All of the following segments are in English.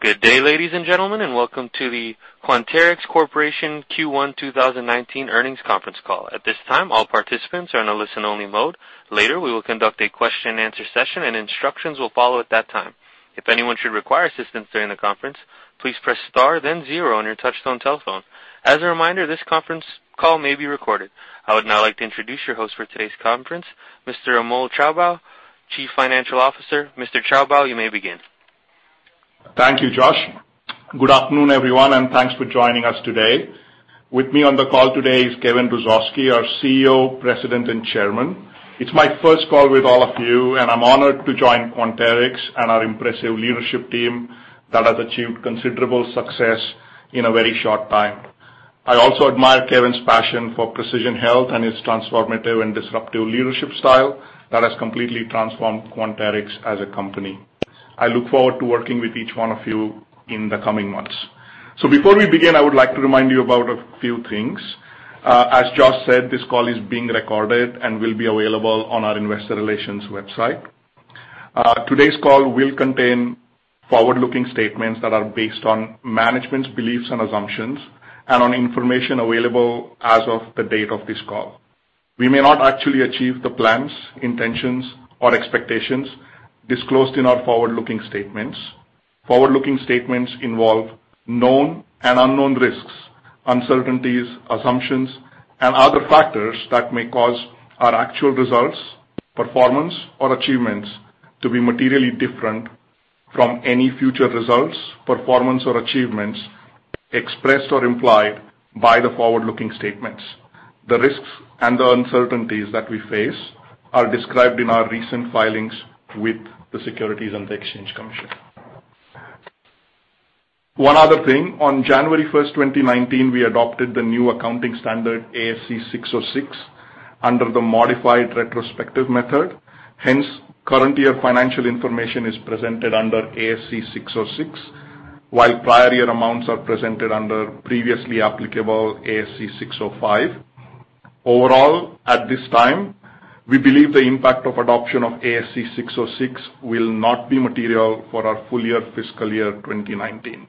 Good day, ladies and gentlemen, and welcome to the Quanterix Corporation Q1 2019 earnings conference call. At this time, all participants are in a listen-only mode. Later, we will conduct a question and answer session and instructions will follow at that time. If anyone should require assistance during the conference, please press star then zero on your touch-tone telephone. As a reminder, this conference call may be recorded. I would now like to introduce your host for today's conference, Mr. Amol Chaubal, Chief Financial Officer. Mr. Chaubal, you may begin. Thank you, Josh. Good afternoon, everyone. Thanks for joining us today. With me on the call today is Kevin Hrusovsky, our CEO, President, and Chairman. It's my first call with all of you. I'm honored to join Quanterix and our impressive leadership team that has achieved considerable success in a very short time. I also admire Kevin's passion for precision health and his transformative and disruptive leadership style that has completely transformed Quanterix as a company. I look forward to working with each one of you in the coming months. Before we begin, I would like to remind you about a few things. As Josh said, this call is being recorded and will be available on our investor relations website. Today's call will contain forward-looking statements that are based on management's beliefs and assumptions and on information available as of the date of this call. We may not actually achieve the plans, intentions, or expectations disclosed in our forward-looking statements. Forward-looking statements involve known and unknown risks, uncertainties, assumptions, and other factors that may cause our actual results, performance, or achievements to be materially different from any future results, performance, or achievements expressed or implied by the forward-looking statements. The risks and the uncertainties that we face are described in our recent filings with the Securities and Exchange Commission. One other thing. On January 1st, 2019, we adopted the new accounting standard ASC 606 under the modified retrospective method. Hence, current year financial information is presented under ASC 606, while prior year amounts are presented under previously applicable ASC 605. Overall, at this time, we believe the impact of adoption of ASC 606 will not be material for our full year fiscal year 2019.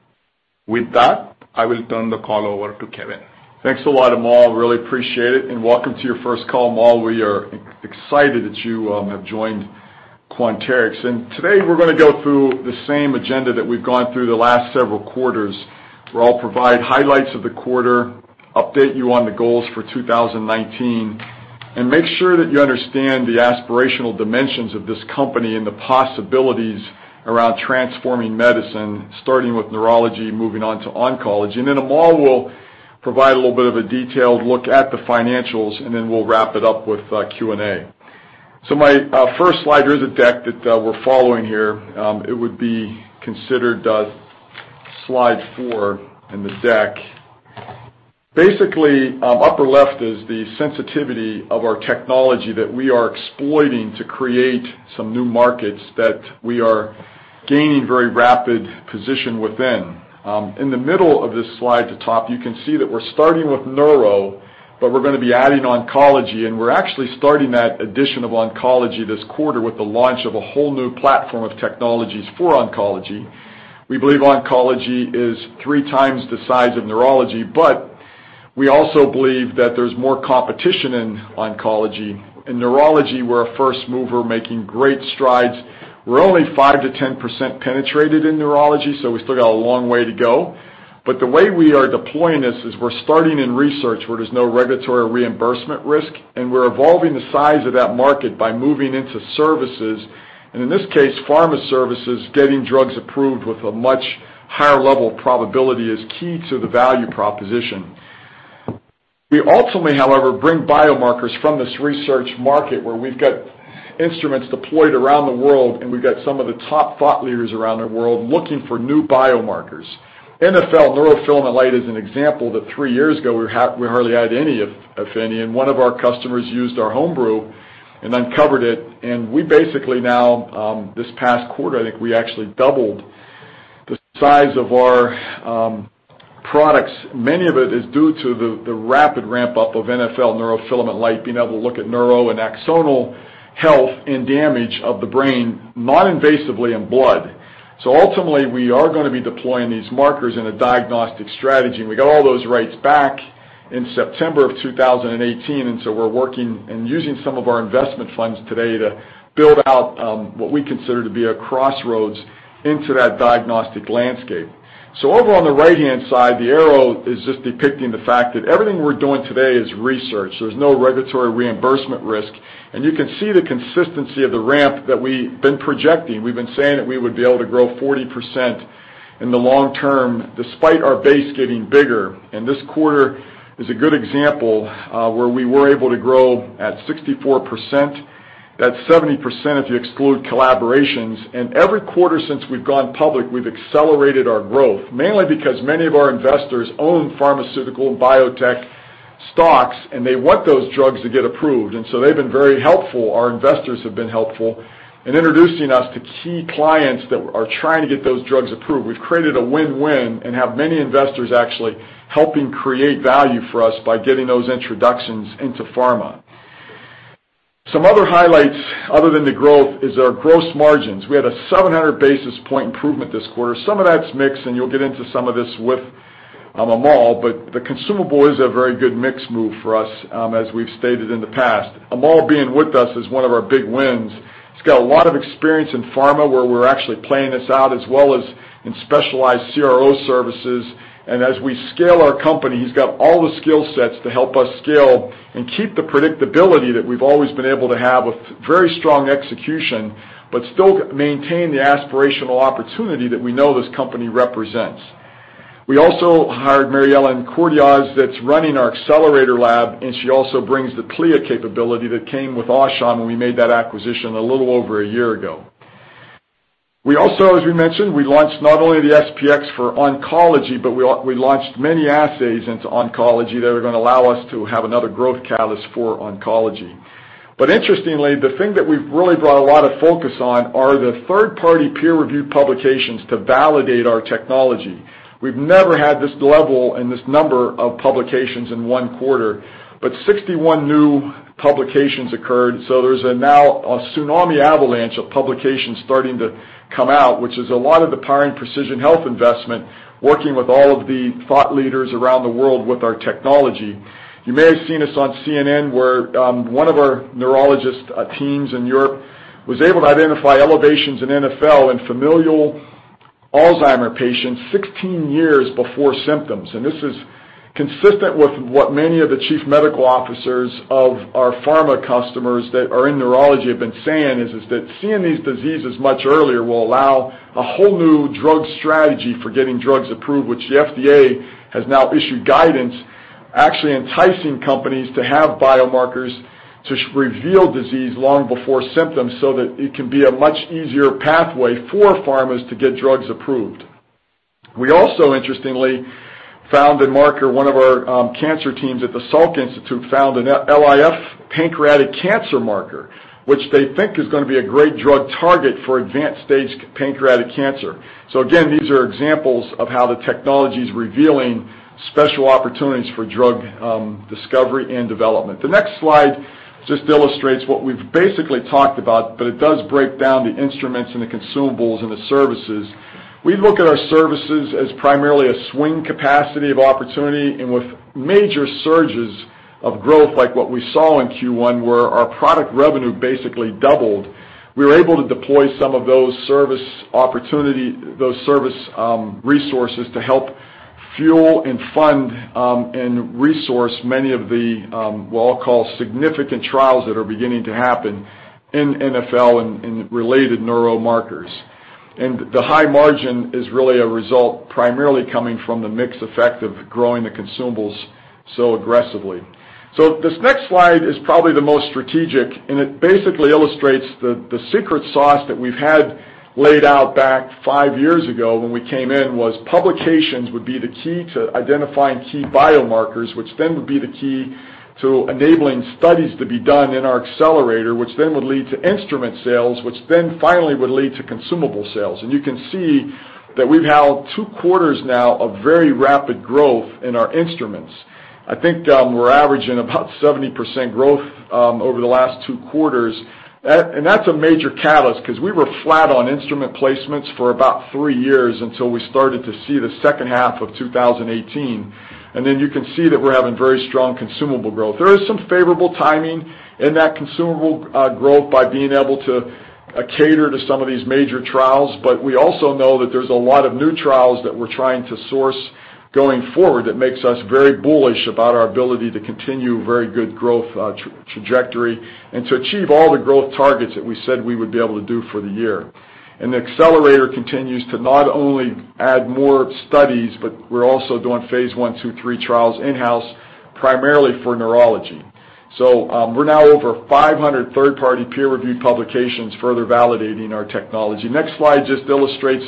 With that, I will turn the call over to Kevin. Thanks a lot, Amol. Really appreciate it. Welcome to your first call, Amol. We are excited that you have joined Quanterix. Today we're going to go through the same agenda that we've gone through the last several quarters, where I'll provide highlights of the quarter, update you on the goals for 2019, and make sure that you understand the aspirational dimensions of this company and the possibilities around transforming medicine, starting with neurology, moving on to oncology. Then Amol will provide a little bit of a detailed look at the financials, and then we'll wrap it up with Q&A. My first slide, here is a deck that we're following here. It would be considered slide four in the deck. Basically, upper left is the sensitivity of our technology that we are exploiting to create some new markets that we are gaining very rapid position within. In the middle of this slide at the top, you can see that we're starting with neuro. We're going to be adding oncology. We're actually starting that addition of oncology this quarter with the launch of a whole new platform of technologies for oncology. We believe oncology is 3 times the size of neurology. We also believe that there's more competition in oncology. In neurology, we're a first mover making great strides. We're only 5%-10% penetrated in neurology. We still got a long way to go. The way we are deploying this is we're starting in research where there's no regulatory reimbursement risk. We're evolving the size of that market by moving into services. In this case, pharma services, getting drugs approved with a much higher level of probability is key to the value proposition. We ultimately, however, bring biomarkers from this research market where we've got instruments deployed around the world. We've got some of the top thought leaders around the world looking for new biomarkers. NfL, neurofilament light is an example that 3 years ago, we hardly had any affinity. One of our customers used our home brew and uncovered it. We basically now, this past quarter, I think we actually doubled the size of our products. Many of it is due to the rapid ramp-up of NfL, neurofilament light, being able to look at neuro and axonal health and damage of the brain noninvasively in blood. Ultimately, we are going to be deploying these markers in a diagnostic strategy. We got all those rights back in September of 2018. We're working and using some of our investment funds today to build out what we consider to be a crossroads into that diagnostic landscape. Over on the right-hand side, the arrow is just depicting the fact that everything we're doing today is research. There's no regulatory reimbursement risk. You can see the consistency of the ramp that we've been projecting. We've been saying that we would be able to grow 40% in the long term despite our base getting bigger. This quarter is a good example where we were able to grow at 64%. That's 70% if you exclude collaborations. Every quarter since we've gone public, we've accelerated our growth, mainly because many of our investors own pharmaceutical and biotech stocks. They want those drugs to get approved. They've been very helpful. Our investors have been helpful in introducing us to key clients that are trying to get those drugs approved. We've created a win-win and have many investors actually helping create value for us by getting those introductions into pharma. Some other highlights other than the growth is our gross margins. We had a 700-basis point improvement this quarter. Some of that's mix. You'll get into some of this with Amol. The consumable is a very good mix move for us, as we've stated in the past. Amol being with us is one of our big wins. He's got a lot of experience in pharma, where we're actually playing this out, as well as in specialized CRO services. As we scale our company, he's got all the skill sets to help us scale and keep the predictability that we've always been able to have with very strong execution, but still maintain the aspirational opportunity that we know this company represents. We also hired Mary-Ellen Cortizas, that's running our accelerator lab, and she also brings the CLIA capability that came with Aushon when we made that acquisition a little over a year ago. As we mentioned, we launched not only the SP-X for oncology, but we launched many assays into oncology that are going to allow us to have another growth catalyst for oncology. Interestingly, the thing that we've really brought a lot of focus on are the third-party peer-reviewed publications to validate our technology. We've never had this level and this number of publications in one quarter, 61 new publications occurred. There's now a tsunami avalanche of publications starting to come out, which is a lot of the Powering Precision Health investment, working with all of the thought leaders around the world with our technology. You may have seen us on CNN, where one of our neurologist teams in Europe was able to identify elevations in NfL in familial Alzheimer patients 16 years before symptoms. This is consistent with what many of the chief medical officers of our pharma customers that are in neurology have been saying, is that seeing these diseases much earlier will allow a whole new drug strategy for getting drugs approved. The FDA has now issued guidance, actually enticing companies to have biomarkers to reveal disease long before symptoms, so that it can be a much easier pathway for pharmas to get drugs approved. Interestingly, found a marker, one of our cancer teams at the Salk Institute found an LIF pancreatic cancer marker, which they think is going to be a great drug target for advanced stage pancreatic cancer. Again, these are examples of how the technology's revealing special opportunities for drug discovery and development. The next slide just illustrates what we've basically talked about, but it does break down the instruments and the consumables and the services. We look at our services as primarily a swing capacity of opportunity, and with major surges of growth like what we saw in Q1, where our product revenue basically doubled. We were able to deploy some of those service resources to help fuel and fund and resource many of the, we'll call significant trials that are beginning to happen in NfL and related neural markers. The high margin is really a result primarily coming from the mix effect of growing the consumables so aggressively. This next slide is probably the most strategic, and it basically illustrates the secret sauce that we've had laid out back five years ago when we came in, was publications would be the key to identifying key biomarkers, which then would be the key to enabling studies to be done in our accelerator, which then would lead to instrument sales, which then finally would lead to consumable sales. You can see that we've now two quarters now of very rapid growth in our instruments. I think we're averaging about 70% growth over the last two quarters. That's a major catalyst because we were flat on instrument placements for about three years until we started to see the second half of 2018. You can see that we're having very strong consumable growth. There is some favorable timing in that consumable growth by being able to cater to some of these major trials. We also know that there's a lot of new trials that we're trying to source going forward that makes us very bullish about our ability to continue very good growth trajectory and to achieve all the growth targets that we said we would be able to do for the year. The accelerator continues to not only add more studies, but we're also doing phase I, II, III trials in-house, primarily for neurology. We're now over 500 third-party peer-reviewed publications further validating our technology. Next slide just illustrates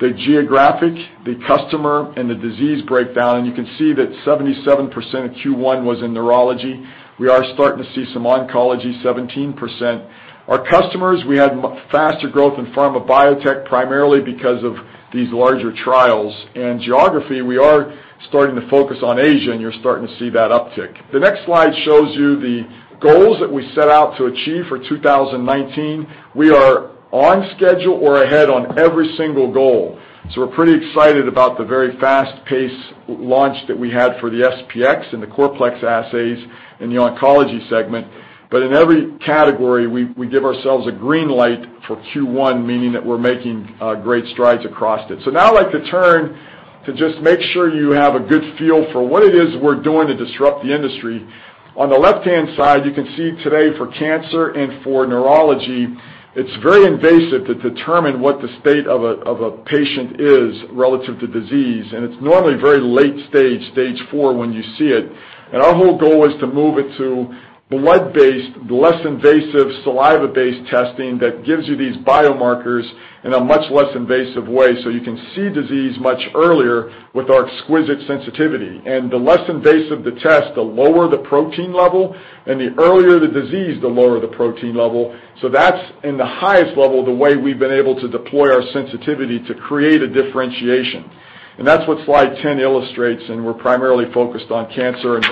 the geographic, the customer, and the disease breakdown, and you can see that 77% of Q1 was in neurology. We are starting to see some oncology, 17%. Our customers, we had faster growth in pharma biotech, primarily because of these larger trials. Geography, we are starting to focus on Asia, and you're starting to see that uptick. The next slide shows you the goals that we set out to achieve for 2019. We are on schedule or ahead on every single goal. We're pretty excited about the very fast pace launch that we had for the SP-X and the CorPlex assays in the oncology segment. In every category, we give ourselves a green light for Q1, meaning that we're making great strides across it. Now I'd like to turn to just make sure you have a good feel for what it is we're doing to disrupt the industry. On the left-hand side, you can see today for cancer and for neurology, it's very invasive to determine what the state of a patient is relative to disease, and it's normally very late stage 4 when you see it. Our whole goal is to move it to blood-based, less invasive, saliva-based testing that gives you these biomarkers in a much less invasive way, so you can see disease much earlier with our exquisite sensitivity. The less invasive the test, the lower the protein level, and the earlier the disease, the lower the protein level. That's in the highest level, the way we've been able to deploy our sensitivity to create a differentiation. That's what slide 10 illustrates, and we're primarily focused on cancer and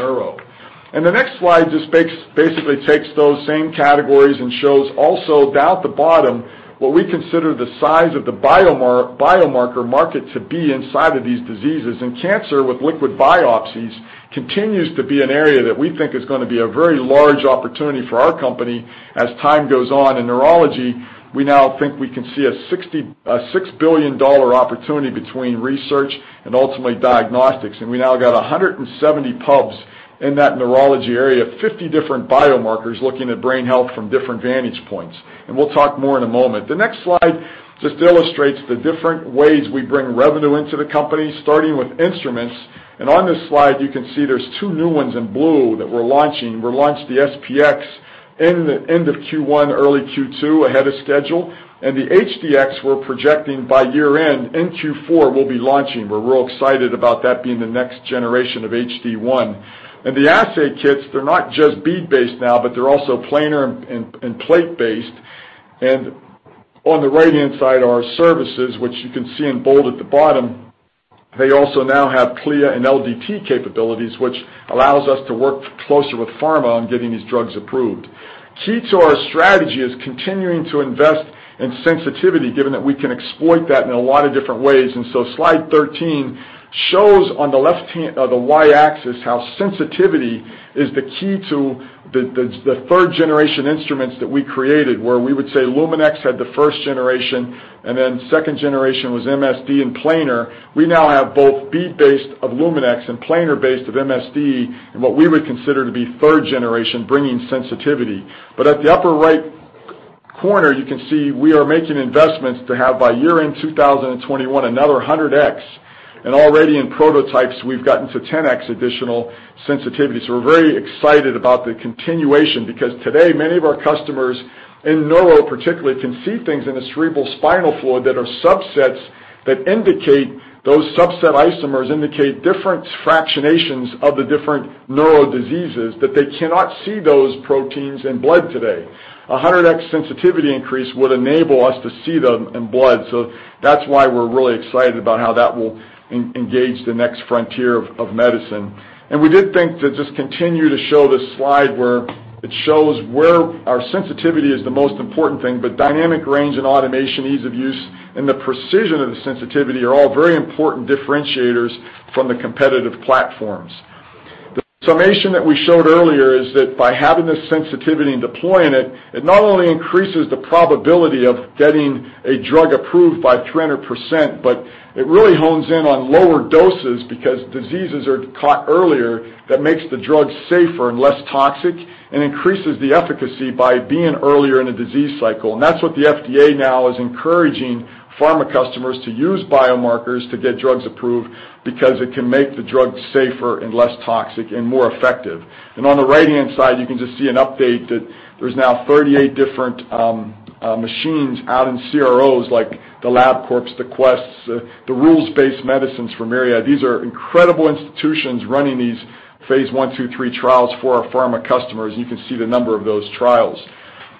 neuro. The next slide just basically takes those same categories and shows also down at the bottom what we consider the size of the biomarker market to be inside of these diseases. Cancer with liquid biopsies continues to be an area that we think is going to be a very large opportunity for our company as time goes on. In neurology, we now think we can see a $6 billion opportunity between research and ultimately diagnostics. We now got 170 pubs in that neurology area, 50 different biomarkers looking at brain health from different vantage points. We'll talk more in a moment. The next slide just illustrates the different ways we bring revenue into the company, starting with instruments. On this slide, you can see there's two new ones in blue that we're launching. We launched the SP-X in the end of Q1, early Q2 ahead of schedule. The HD-X we're projecting by year end. In Q4, we'll be launching. We're real excited about that being the next generation of HD-1. The assay kits, they're not just bead-based now, but they're also planar and plate-based. On the right-hand side are services which you can see in bold at the bottom. They also now have CLIA and LDT capabilities, which allows us to work closer with pharma on getting these drugs approved. Key to our strategy is continuing to invest in sensitivity, given that we can exploit that in a lot of different ways. Slide 13 shows on the left-hand, the Y-axis, how sensitivity is the key to the third generation instruments that we created, where we would say Luminex had the first generation and then second generation was MSD and planar. We now have both bead-based of Luminex and planar-based of MSD in what we would consider to be third generation, bringing sensitivity. At the upper right corner, you can see we are making investments to have, by year-end 2021, another 100x. Already in prototypes, we've gotten to 10x additional sensitivity. We're very excited about the continuation, because today, many of our customers in neuro particularly can see things in the cerebrospinal fluid that are subsets that indicate those subset isomers indicate different fractionations of the different neuro diseases that they cannot see those proteins in blood today. 100x sensitivity increase would enable us to see them in blood. That's why we're really excited about how that will engage the next frontier of medicine. We did think to just continue to show this slide where it shows where our sensitivity is the most important thing. Dynamic range and automation, ease of use, and the precision of the sensitivity are all very important differentiators from the competitive platforms. The summation that we showed earlier is that by having this sensitivity and deploying it not only increases the probability of getting a drug approved by 300%, but it really hones in on lower doses because diseases are caught earlier that makes the drug safer and less toxic and increases the efficacy by being earlier in a disease cycle. That's what the FDA now is encouraging pharma customers to use biomarkers to get drugs approved, because it can make the drug safer and less toxic and more effective. On the right-hand side, you can just see an update that there's now 38 different machines out in CROs like the LabCorp, the Quest, the Rules-Based Medicine from Myriad. These are incredible institutions running these phase I, II, III trials for our pharma customers, and you can see the number of those trials.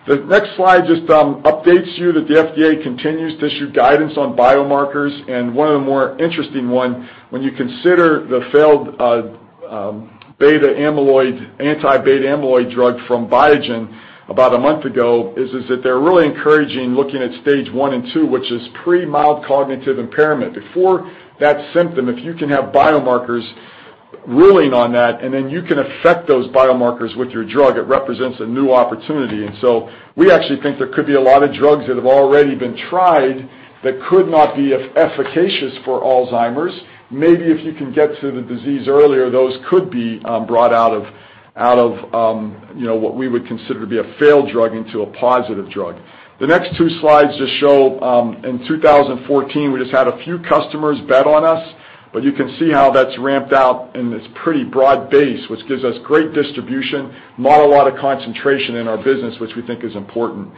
The next slide just updates you that the FDA continues to issue guidance on biomarkers. One of the more interesting one when you consider the failed beta amyloid, anti-beta amyloid drug from Biogen about a month ago is that they're really encouraging looking at stage 1 and 2, which is pre-mild cognitive impairment. We actually think there could be a lot of drugs that have already been tried that could not be efficacious for Alzheimer's. Maybe if you can get to the disease earlier, those could be brought out of what we would consider to be a failed drug into a positive drug. The next two slides just show, in 2014, we just had a few customers bet on us, but you can see how that's ramped out and it's pretty broad base, which gives us great distribution, not a lot of concentration in our business, which we think is important.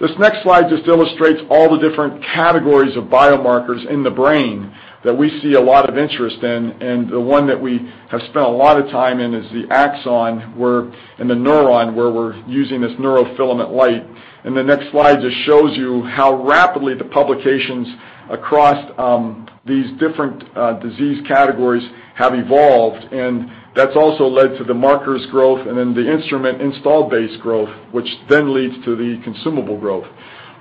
This next slide just illustrates all the different categories of biomarkers in the brain that we see a lot of interest in. The one that we have spent a lot of time in is the axon, where in the neuron, where we're using this neurofilament light. The next slide just shows you how rapidly the publications across these different disease categories have evolved, and that's also led to the markers growth and then the instrument install base growth, which then leads to the consumable growth.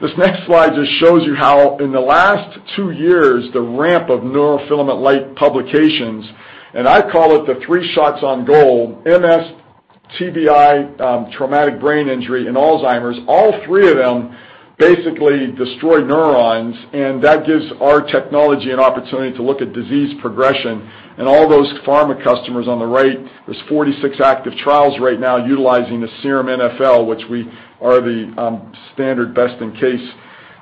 This next slide just shows you how in the last two years, the ramp of neurofilament light publications, I call it the three shots on goal, MS, TBI, traumatic brain injury, and Alzheimer's, all three of them basically destroy neurons, and that gives our technology an opportunity to look at disease progression. All those pharma customers on the right, there's 46 active trials right now utilizing the serum NfL, which we are the standard best in case.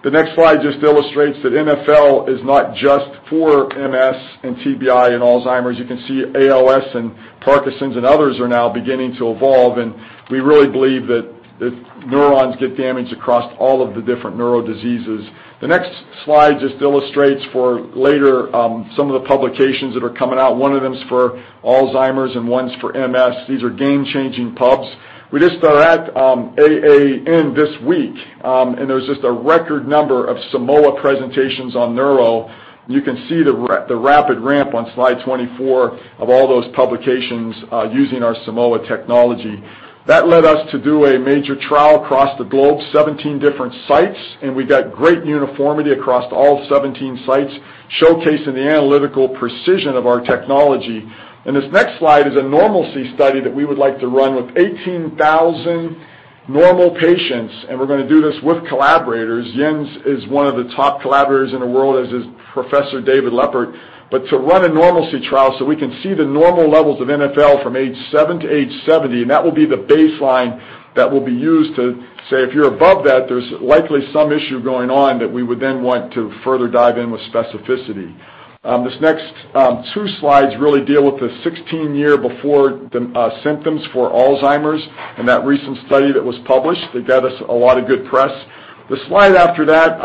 The next slide just illustrates that NfL is not just for MS and TBI and Alzheimer's. You can see ALS and Parkinson's and others are now beginning to evolve, and we really believe that neurons get damaged across all of the different neuro diseases. The next slide just illustrates for later some of the publications that are coming out. One of them is for Alzheimer's and one's for MS. These are game-changing pubs. We just were at AAN this week, and there was just a record number of Simoa presentations on neuro. You can see the rapid ramp on slide 24 of all those publications using our Simoa technology. That led us to do a major trial across the globe, 17 different sites, and we got great uniformity across all 17 sites, showcasing the analytical precision of our technology. This next slide is a normalcy study that we would like to run with 18,000 normal patients, and we're going to do this with collaborators. Jens is one of the top collaborators in the world, as is Professor David Leppert. To run a normalcy trial so we can see the normal levels of NfL from age seven to age 70, and that will be the baseline that will be used to say, if you're above that, there's likely some issue going on that we would then want to further dive in with specificity. These next two slides really deal with the 16 year before symptoms for Alzheimer's and that recent study that was published that got us a lot of good press. The slide after that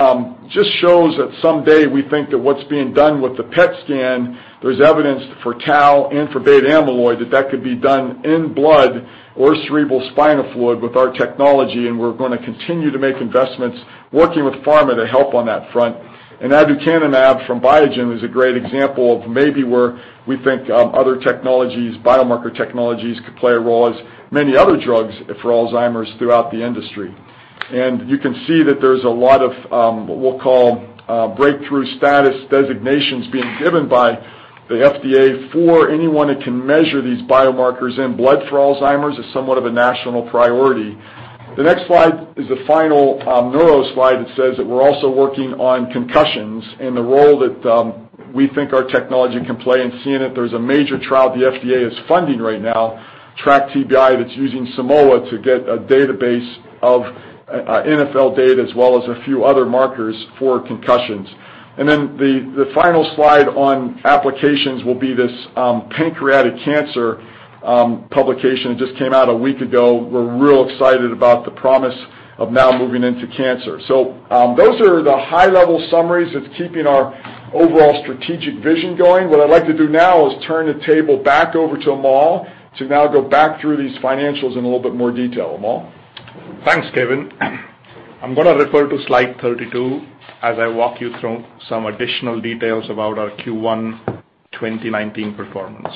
just shows that someday we think that what's being done with the PET scan, there's evidence for tau and for beta amyloid, that that could be done in blood or cerebrospinal fluid with our technology. We're going to continue to make investments working with pharma to help on that front. aducanumab from Biogen is a great example of maybe where we think other technologies, biomarker technologies, could play a role, as many other drugs for Alzheimer's throughout the industry. You can see that there's a lot of, what we'll call, breakthrough status designations being given by the FDA for anyone that can measure these biomarkers in blood for Alzheimer's. It's somewhat of a national priority. The next slide is a final neuro slide that says that we're also working on concussions and the role that we think our technology can play in seeing it. There's a major trial the FDA is funding right now, TRACK-TBI, that's using Simoa to get a database of NfL data as well as a few other markers for concussions. The final slide on applications will be this pancreatic cancer publication that just came out a week ago. We're real excited about the promise of now moving into cancer. Those are the high-level summaries of keeping our overall strategic vision going. What I'd like to do now is turn the table back over to Amol to now go back through these financials in a little bit more detail. Amol? Thanks, Kevin. I'm going to refer to slide 32 as I walk you through some additional details about our Q1 2019 performance.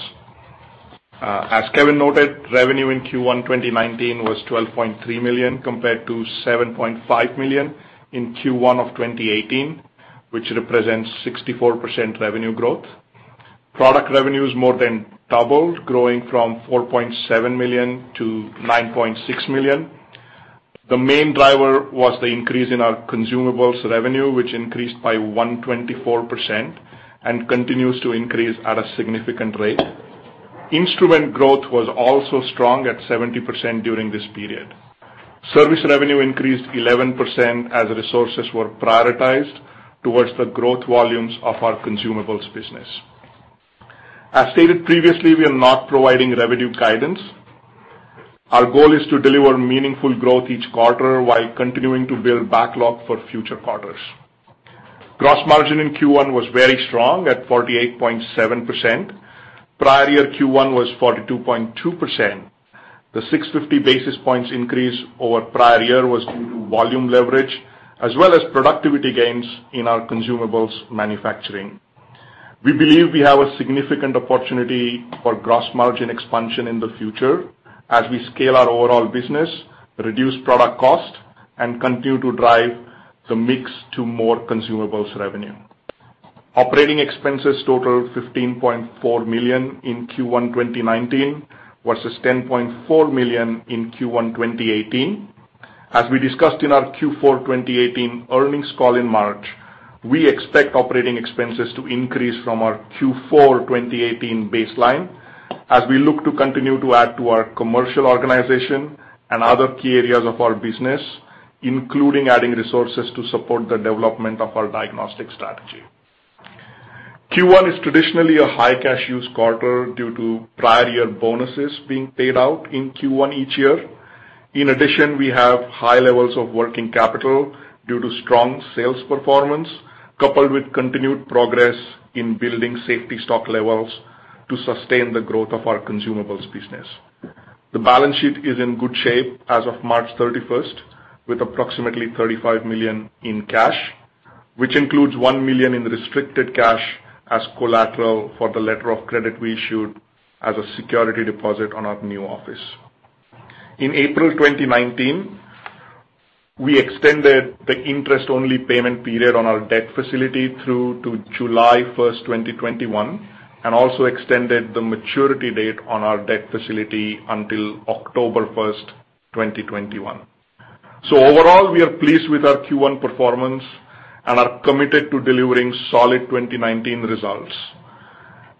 As Kevin noted, revenue in Q1 2019 was $12.3 million, compared to $7.5 million in Q1 of 2018, which represents 64% revenue growth. Product revenues more than doubled, growing from $4.7 million to $9.6 million. The main driver was the increase in our consumables revenue, which increased by 124% and continues to increase at a significant rate. Instrument growth was also strong at 70% during this period. Service revenue increased 11% as resources were prioritized towards the growth volumes of our consumables business. As stated previously, we are not providing revenue guidance. Our goal is to deliver meaningful growth each quarter while continuing to build backlog for future quarters. Gross margin in Q1 was very strong at 48.7%. Prior year Q1 was 42.2%. The 650 basis points increase over prior year was due to volume leverage as well as productivity gains in our consumables manufacturing. We believe we have a significant opportunity for gross margin expansion in the future as we scale our overall business, reduce product cost, and continue to drive the mix to more consumables revenue. Operating expenses totaled $15.4 million in Q1 2019, versus $10.4 million in Q1 2018. As we discussed in our Q4 2018 earnings call in March, we expect operating expenses to increase from our Q4 2018 baseline as we look to continue to add to our commercial organization and other key areas of our business, including adding resources to support the development of our diagnostic strategy. Q1 is traditionally a high cash use quarter due to prior year bonuses being paid out in Q1 each year. In addition, we have high levels of working capital due to strong sales performance, coupled with continued progress in building safety stock levels to sustain the growth of our consumables business. The balance sheet is in good shape as of March 31st, with approximately $35 million in cash, which includes $1 million in restricted cash as collateral for the letter of credit we issued as a security deposit on our new office. In April 2019, we extended the interest-only payment period on our debt facility through to July 1st, 2021, and also extended the maturity date on our debt facility until October 1st, 2021. Overall, we are pleased with our Q1 performance and are committed to delivering solid 2019 results.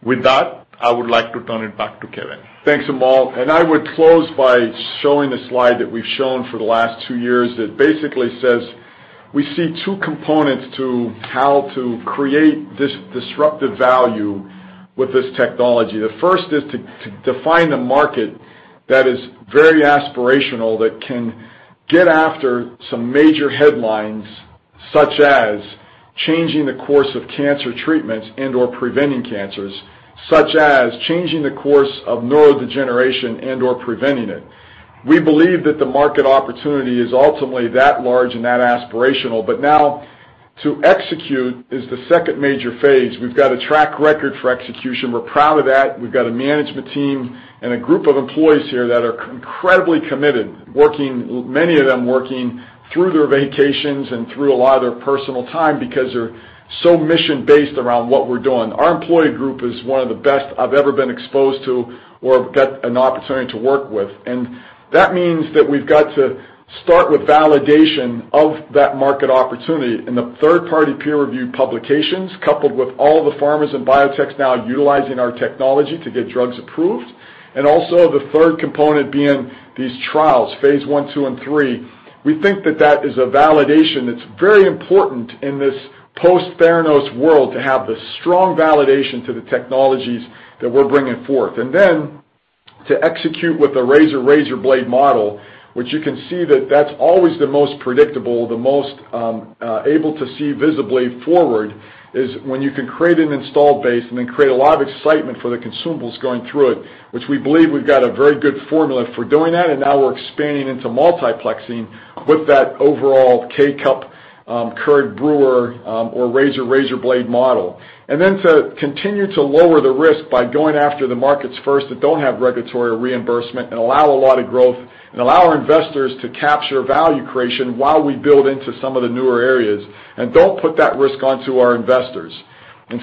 With that, I would like to turn it back to Kevin. Thanks, Amol. I would close by showing a slide that we've shown for the last two years that basically says we see two components to how to create this disruptive value with this technology. The first is to define a market that is very aspirational, that can get after some major headlines, such as changing the course of cancer treatments and/or preventing cancers, such as changing the course of neurodegeneration and/or preventing it. We believe that the market opportunity is ultimately that large and that aspirational. Now, to execute is the second major phase. We've got a track record for execution. We're proud of that. We've got a management team and a group of employees here that are incredibly committed, many of them working through their vacations and through a lot of their personal time because they're so mission-based around what we're doing. Our employee group is one of the best I've ever been exposed to or got an opportunity to work with. That means that we've got to start with validation of that market opportunity in the third-party peer review publications, coupled with all the pharmas and biotechs now utilizing our technology to get drugs approved. Also, the third component being these trials, phase I, II, and III. We think that that is a validation that's very important in this post-Theranos world to have the strong validation to the technologies that we're bringing forth. To execute with a razor-razor blade model, which you can see that that's always the most predictable, the most able to see visibly forward is when you can create an install base and then create a lot of excitement for the consumables going through it, which we believe we've got a very good formula for doing that. Now, we're expanding into multiplexing with that overall K-Cup Keurig brewer or razor-razor blade model. To continue to lower the risk by going after the markets first that don't have regulatory reimbursement and allow a lot of growth and allow our investors to capture value creation while we build into some of the newer areas and don't put that risk onto our investors. We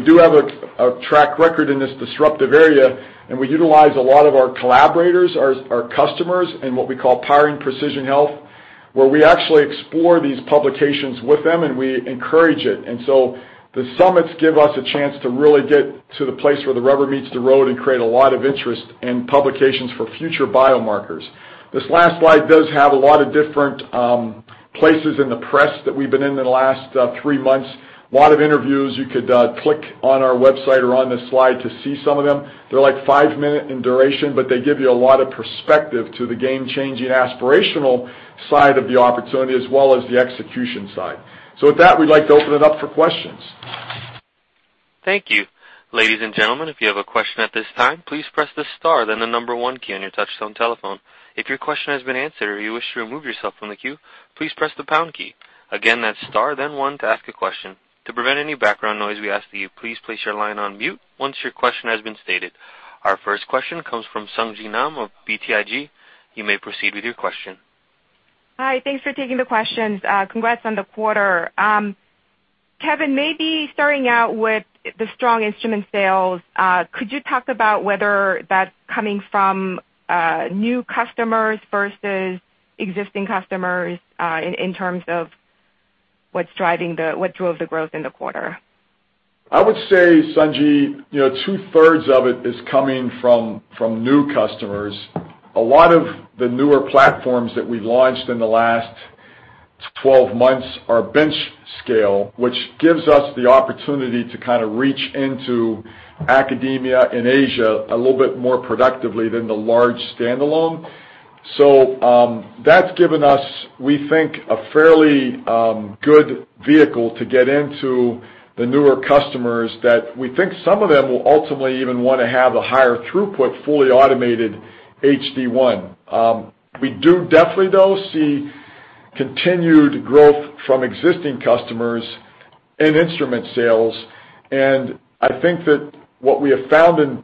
do have a track record in this disruptive area, and we utilize a lot of our collaborators, our customers in what we call Powering Precision Health, where we actually explore these publications with them, and we encourage it. The summits give us a chance to really get to the place where the rubber meets the road and create a lot of interest in publications for future biomarkers. This last slide does have a lot of different places in the press that we've been in the last 3 months. A lot of interviews. You could click on our website or on this slide to see some of them. They're 5 minutes in duration, but they give you a lot of perspective to the game-changing aspirational side of the opportunity as well as the execution side. With that, we'd like to open it up for questions. Thank you. Ladies and gentlemen, if you have a question at this time, please press the star then the number 1 key on your touchtone telephone. If your question has been answered or you wish to remove yourself from the queue, please press the pound key. Again, that's star then one to ask a question. To prevent any background noise, we ask that you please place your line on mute once your question has been stated. Our first question comes from Sung Ji Nam of BTIG. You may proceed with your question. Hi, thanks for taking the questions. Congrats on the quarter. Kevin, maybe starting out with the strong instrument sales, could you talk about whether that's coming from new customers versus existing customers in terms of what drove the growth in the quarter? I would say, Sung Ji, two-thirds of it is coming from new customers. A lot of the newer platforms that we've launched in the last 12 months are bench scale, which gives us the opportunity to reach into academia in Asia a little bit more productively than the large standalone. That's given us, we think, a fairly good vehicle to get into the newer customers that we think some of them will ultimately even want to have a higher throughput, fully automated HD-1. We do definitely, though, see continued growth from existing customers in instrument sales. I think that what we have found in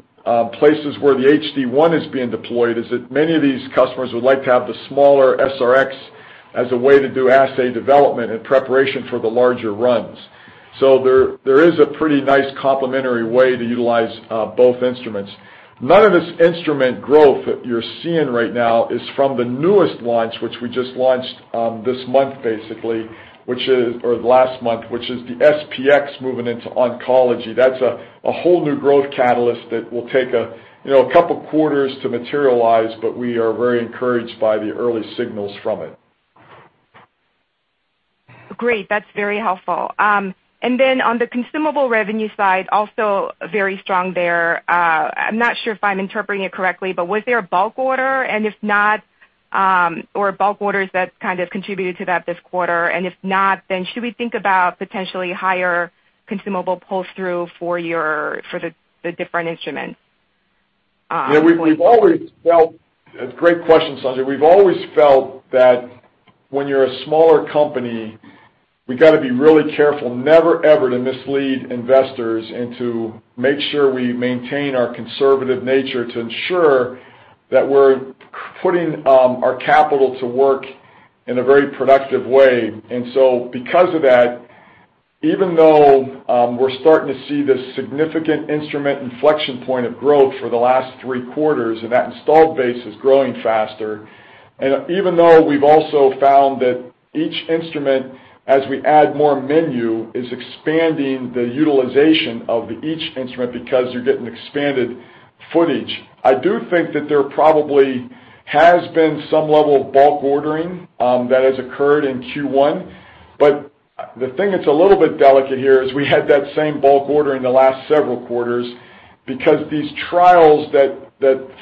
places where the HD-1 is being deployed is that many of these customers would like to have the smaller SR-X as a way to do assay development in preparation for the larger runs. There is a pretty nice complementary way to utilize both instruments. None of this instrument growth that you're seeing right now is from the newest launch, which we just launched this month or last month, which is the SP-X moving into oncology. That's a whole new growth catalyst that will take a couple of quarters to materialize, but we are very encouraged by the early signals from it. Great. That's very helpful. On the consumable revenue side, also very strong there. I'm not sure if I'm interpreting it correctly, but was there a bulk order? Or bulk orders that contributed to that this quarter? If not, should we think about potentially higher consumable pull-through for the different instruments going forward? Great question, Sung Ji. We've always felt that when you're a smaller company, we've got to be really careful never ever to mislead investors and to make sure we maintain our conservative nature to ensure that we're putting our capital to work in a very productive way. Because of that, even though we're starting to see this significant instrument inflection point of growth for the last three quarters, and that installed base is growing faster, and even though we've also found that each instrument, as we add more menu, is expanding the utilization of each instrument because you're getting expanded footage, I do think that there probably has been some level of bulk ordering that has occurred in Q1. The thing that's a little bit delicate here is we had that same bulk order in the last several quarters because these trials that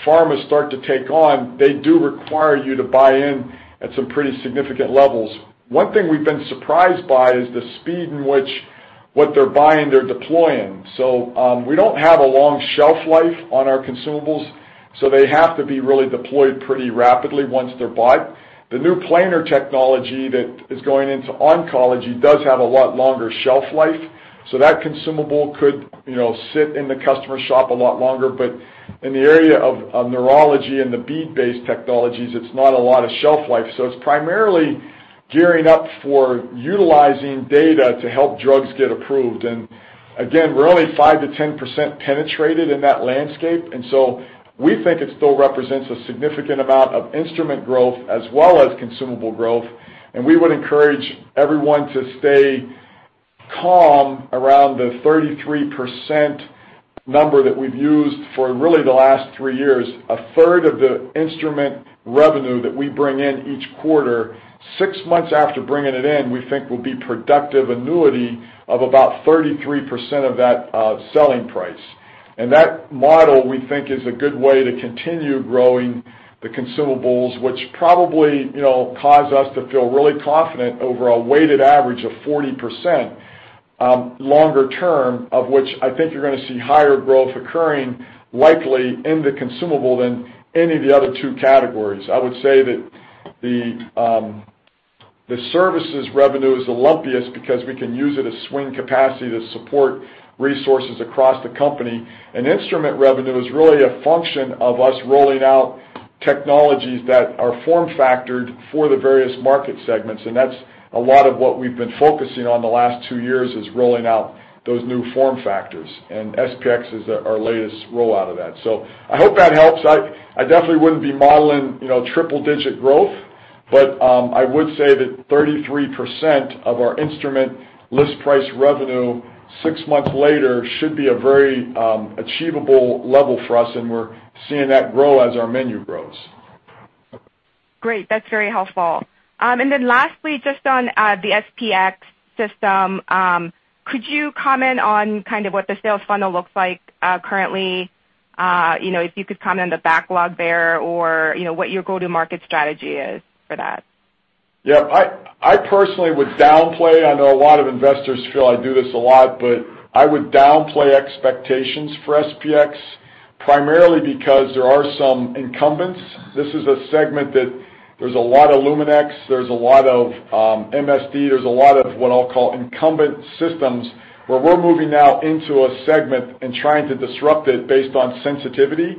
pharmas start to take on, they do require you to buy in at some pretty significant levels. One thing we've been surprised by is the speed in which they're buying, they're deploying. We don't have a long shelf life on our consumables, so they have to be really deployed pretty rapidly once they're bought. The new planar technology that is going into oncology does have a lot longer shelf life. That consumable could sit in the customer's shop a lot longer. In the area of neurology and the bead-based technologies, it's not a lot of shelf life. It's primarily gearing up for utilizing data to help drugs get approved. Again, we're only 5%-10% penetrated in that landscape, we think it still represents a significant amount of instrument growth as well as consumable growth. We would encourage everyone to stay calm around the 33% number that we've used for really the last three years. A third of the instrument revenue that we bring in each quarter, six months after bringing it in, we think will be productive annuity of about 33% of that selling price. That model, we think, is a good way to continue growing the consumables, which probably cause us to feel really confident over a weighted average of 40% longer term, of which I think you're going to see higher growth occurring likely in the consumable than any of the other 2 categories. I would say that the services revenue is the lumpiest because we can use it as swing capacity to support resources across the company. Instrument revenue is really a function of us rolling out technologies that are form-factored for the various market segments, and that's a lot of what we've been focusing on the last two years is rolling out those new form factors, and SP-X is our latest rollout of that. I hope that helps. I definitely wouldn't be modeling triple-digit growth, but I would say that 33% of our instrument list price revenue six months later should be a very achievable level for us, and we're seeing that grow as our menu grows. Great. That's very helpful. Then lastly, just on the SP-X system, could you comment on what the sales funnel looks like currently? If you could comment on the backlog there or what your go-to-market strategy is for that. Yeah. I personally would downplay, I know a lot of investors feel I do this a lot, but I would downplay expectations for SP-X, primarily because there are some incumbents. This is a segment that there's a lot of Luminex, there's a lot of MSD, there's a lot of what I'll call incumbent systems, where we're moving now into a segment and trying to disrupt it based on sensitivity.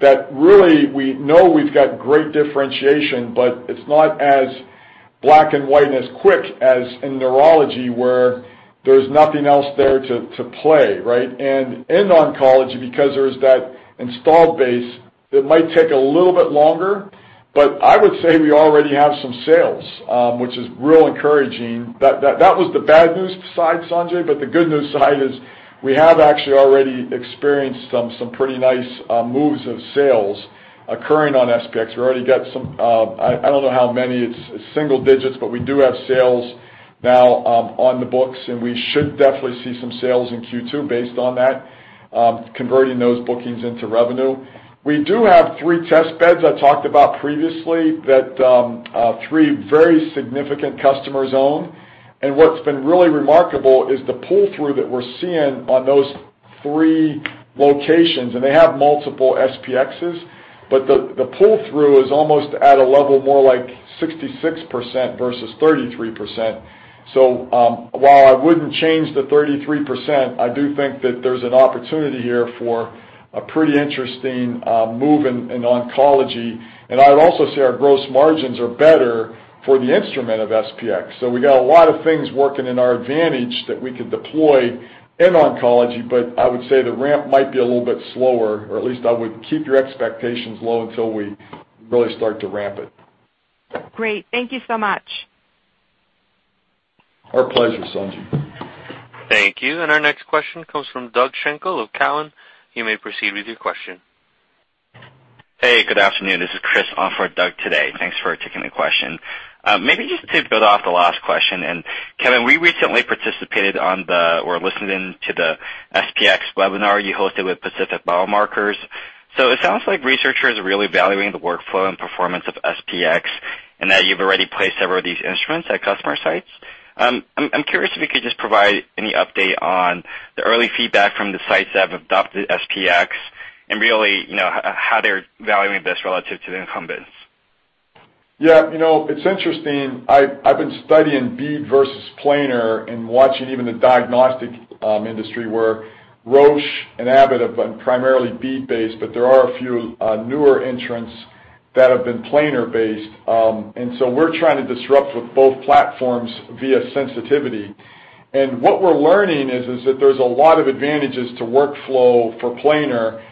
That really, we know we've got great differentiation, but it's not as black and white and as quick as in neurology, where there's nothing else there to play, right? In oncology, because there's that installed base, it might take a little bit longer, but I would say we already have some sales, which is real encouraging. That was the bad news side, Sung Ji, but the good news side is we have actually already experienced some pretty nice moves of sales occurring on SP-X. We've already got some, I don't know how many, it's single digits, but we do have sales now on the books, and we should definitely see some sales in Q2 based on that, converting those bookings into revenue. We do have three test beds I talked about previously that three very significant customers own. What's been really remarkable is the pull-through that we're seeing on those three locations, and they have multiple SP-Xs, but the pull-through is almost at a level more like 66% versus 33%. While I wouldn't change the 33%, I do think that there's an opportunity here for a pretty interesting move in oncology. I would also say our gross margins are better for the instrument of SP-X. We got a lot of things working in our advantage that we could deploy in oncology, but I would say the ramp might be a little bit slower, or at least I would keep your expectations low until we really start to ramp it. Great. Thank you so much. Our pleasure, Sung Ji. Thank you. Our next question comes from Doug Schenkel of Cowen. You may proceed with your question. Hey, good afternoon. This is Chris on for Doug today. Thanks for taking the question. Maybe just to build off the last question, Kevin, we recently participated on the, or listened in to the SP-X webinar you hosted with Pacific Biomarkers. It sounds like researchers are really valuing the workflow and performance of SP-X, and that you've already placed several of these instruments at customer sites. I'm curious if you could just provide any update on the early feedback from the sites that have adopted SP-X and really how they're valuing this relative to the incumbents. Yeah. It's interesting. I've been studying bead versus planar and watching even the diagnostic industry where Roche and Abbott have been primarily bead-based, but there are a few newer entrants that have been planar-based. We're trying to disrupt with both platforms via sensitivity. What we're learning is that there's a lot of advantages to workflow for planar,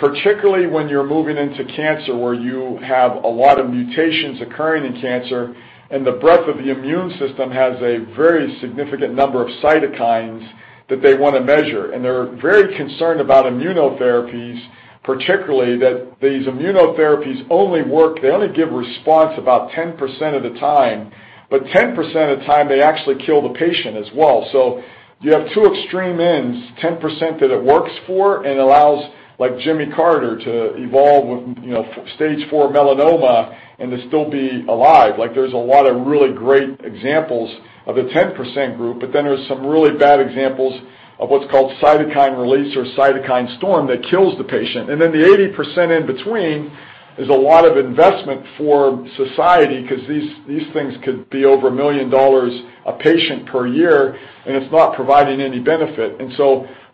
particularly when you're moving into cancer, where you have a lot of mutations occurring in cancer, and the breadth of the immune system has a very significant number of cytokines that they want to measure. They're very concerned about immunotherapies, particularly that these immunotherapies only work, they only give response about 10% of the time, but 10% of the time, they actually kill the patient as well. You have two extreme ends, 10% that it works for and allows Jimmy Carter to evolve with stage 4 melanoma and to still be alive. There's a lot of really great examples of the 10% group. There's some really bad examples of what's called cytokine release or cytokine storm that kills the patient. The 80% in between is a lot of investment for society because these things could be over $1 million a patient per year, and it's not providing any benefit.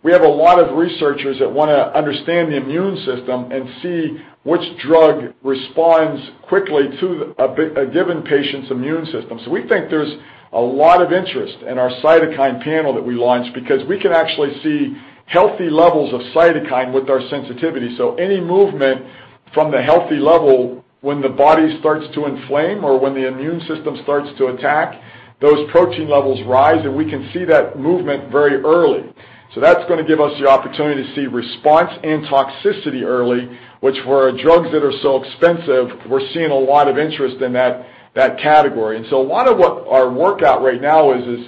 We have a lot of researchers that want to understand the immune system and see which drug responds quickly to a given patient's immune system. We think there's a lot of interest in our cytokine panel that we launched, because we can actually see healthy levels of cytokine with our sensitivity. Any movement from the healthy level when the body starts to inflame or when the immune system starts to attack, those protein levels rise, and we can see that movement very early. That's going to give us the opportunity to see response and toxicity early, which for drugs that are so expensive, we're seeing a lot of interest in that category. A lot of what our workout right now is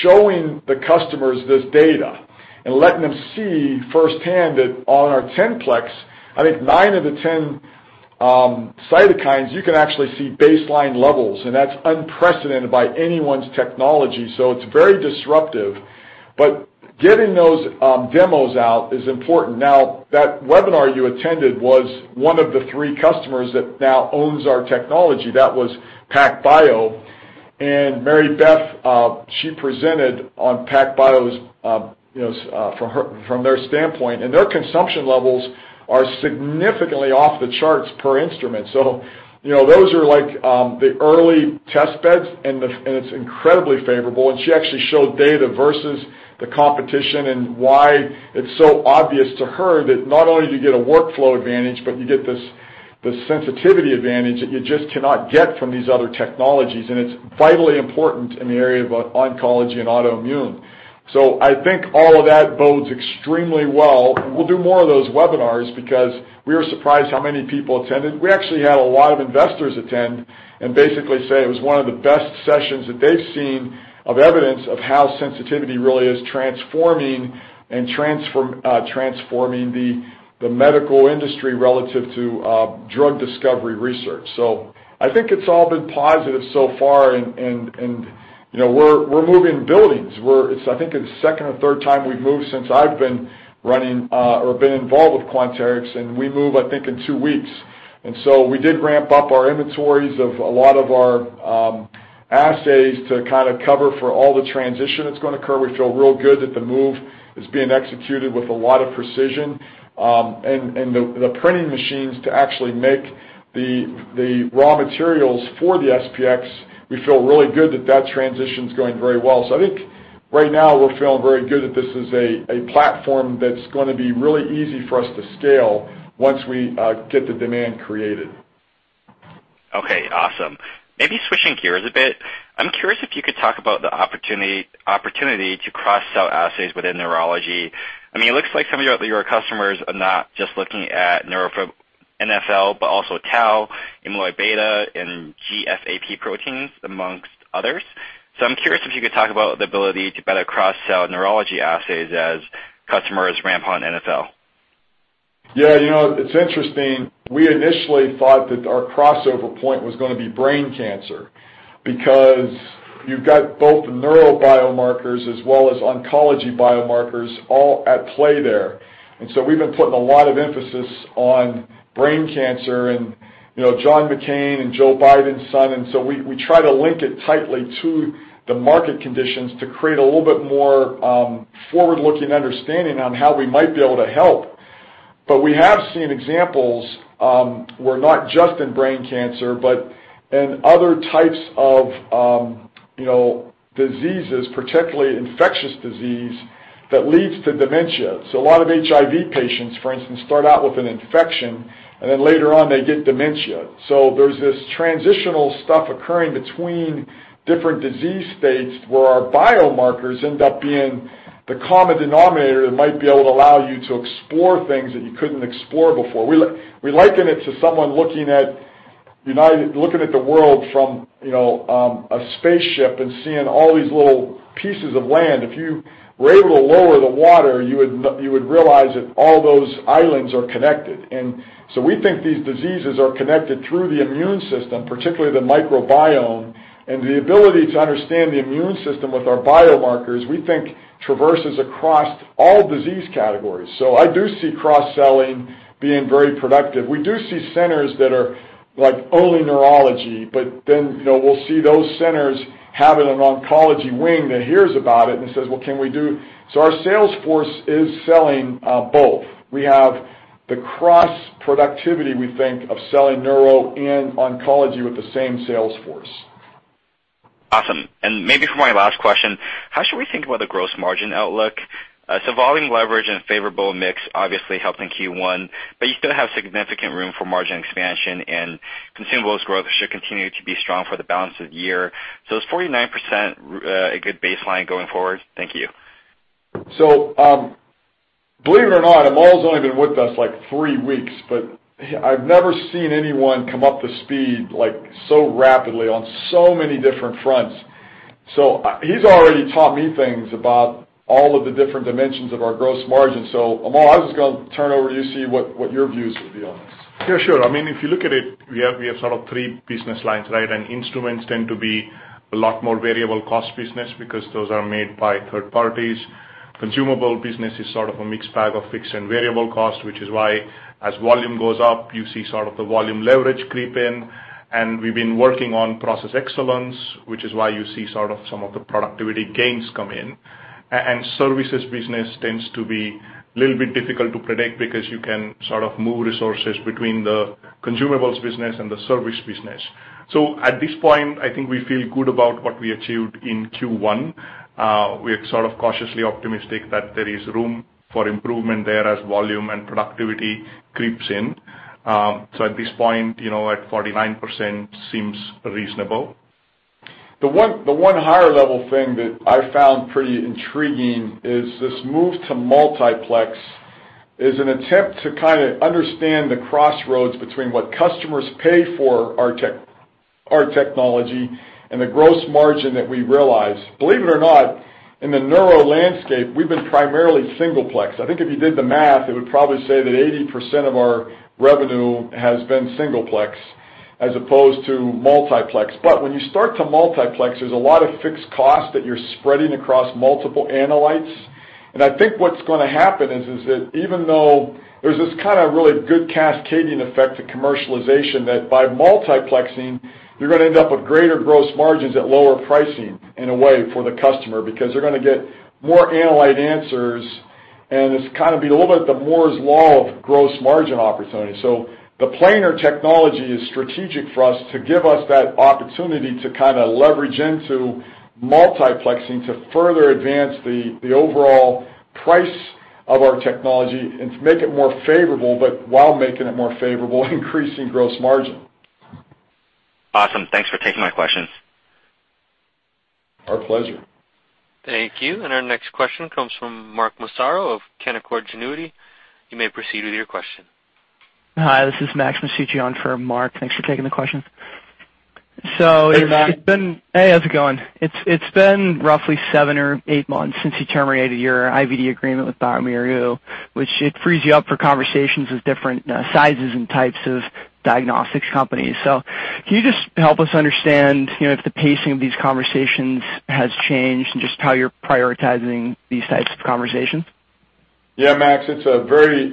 showing the customers this data and letting them see firsthand that on our 10-plex, I think nine of the 10 cytokines, you can actually see baseline levels, and that's unprecedented by anyone's technology. It's very disruptive. Getting those demos out is important. Now, that webinar you attended was one of the three customers that now owns our technology. That was PacBio, and Mary Beth, she presented on PacBio from their standpoint. Their consumption levels are significantly off the charts per instrument. Those are the early test beds and it's incredibly favorable, and she actually showed data versus the competition and why it's so obvious to her that not only do you get a workflow advantage, but you get this sensitivity advantage that you just cannot get from these other technologies, and it's vitally important in the area of oncology and autoimmune. I think all of that bodes extremely well. We'll do more of those webinars because we were surprised how many people attended. We actually had a lot of investors attend and basically say it was one of the best sessions that they've seen of evidence of how sensitivity really is transforming the medical industry relative to drug discovery research. I think it's all been positive so far and we're moving buildings. I think it's the second or third time we've moved since I've been running, or been involved with Quanterix, and we move, I think, in two weeks. We did ramp up our inventories of a lot of our assays to cover for all the transition that's going to occur. We feel real good that the move is being executed with a lot of precision. The printing machines to actually make the raw materials for the SP-X, we feel really good that transition's going very well. I think right now we're feeling very good that this is a platform that's going to be really easy for us to scale once we get the demand created. Okay, awesome. Maybe switching gears a bit. I'm curious if you could talk about the opportunity to cross-sell assays within neurology. It looks like some of your customers are not just looking at neuro NfL, but also tau, beta amyloid, and GFAP proteins, amongst others. I'm curious if you could talk about the ability to better cross-sell neurology assays as customers ramp on NfL. Yeah. It's interesting. We initially thought that our crossover point was going to be brain cancer because you've got both the neuro biomarkers as well as oncology biomarkers all at play there. We've been putting a lot of emphasis on brain cancer and John McCain and Joe Biden's son, we try to link it tightly to the market conditions to create a little bit more forward-looking understanding on how we might be able to help. We have seen examples where not just in brain cancer, but in other types of diseases, particularly infectious disease, that leads to dementia. A lot of HIV patients, for instance, start out with an infection, and then later on they get dementia. There's this transitional stuff occurring between different disease states where our biomarkers end up being the common denominator that might be able to allow you to explore things that you couldn't explore before. We liken it to someone looking at the world from a spaceship and seeing all these little pieces of land. If you were able to lower the water, you would realize that all those islands are connected. We think these diseases are connected through the immune system, particularly the microbiome, and the ability to understand the immune system with our biomarkers, we think traverses across all disease categories. I do see cross-selling being very productive. We do see centers that are only neurology, we'll see those centers having an oncology wing that hears about it and says, "Well, can we do" Our sales force is selling both. We have the cross-productivity, we think, of selling neuro and oncology with the same sales force. Maybe for my last question, how should we think about the gross margin outlook? Volume leverage and favorable mix obviously helped in Q1, but you still have significant room for margin expansion, and consumables growth should continue to be strong for the balance of the year. Is 49% a good baseline going forward? Thank you. Believe it or not, Amol's only been with us, like three weeks, but I've never seen anyone come up to speed so rapidly on so many different fronts. He's already taught me things about all of the different dimensions of our gross margin. Amol, I was just going to turn over to you, see what your views would be on this. Yeah, sure. If you look at it, we have sort of three business lines. Instruments tend to be a lot more variable cost business because those are made by third parties. Consumable business is sort of a mixed bag of fixed and variable cost, which is why as volume goes up, you see the volume leverage creep in. We've been working on process excellence, which is why you see some of the productivity gains come in. Services business tends to be a little bit difficult to predict because you can sort of move resources between the consumables business and the service business. At this point, I think we feel good about what we achieved in Q1. We're cautiously optimistic that there is room for improvement there as volume and productivity creeps in. At this point, at 49% seems reasonable. The one higher level thing that I found pretty intriguing is this move to multiplex, is an attempt to kind of understand the crossroads between what customers pay for our technology and the gross margin that we realize. Believe it or not, in the neuro landscape, we've been primarily single plex. I think if you did the math, it would probably say that 80% of our revenue has been single plex as opposed to multiplex. When you start to multiplex, there's a lot of fixed cost that you're spreading across multiple analytes, and I think what's going to happen is that even though there's this kind of really good cascading effect to commercialization, that by multiplexing, you're going to end up with greater gross margins at lower pricing in a way for the customer, because they're going to get more analyte answers and it's going to be a little bit the Moore's Law of gross margin opportunity. The planar technology is strategic for us to give us that opportunity to leverage into multiplexing to further advance the overall price of our technology and to make it more favorable, but while making it more favorable, increasing gross margin. Awesome. Thanks for taking my questions. Our pleasure. Thank you. Our next question comes from Mark Massaro of Canaccord Genuity. You may proceed with your question. Hi, this is Max Masucci on for Mark. Thanks for taking the question. Hey, Max. Hey, how's it going? It's been roughly seven or eight months since you terminated your IVD agreement with bioMérieux, which it frees you up for conversations with different sizes and types of diagnostics companies. Can you just help us understand if the pacing of these conversations has changed and just how you're prioritizing these types of conversations? Yeah, Max, it's a very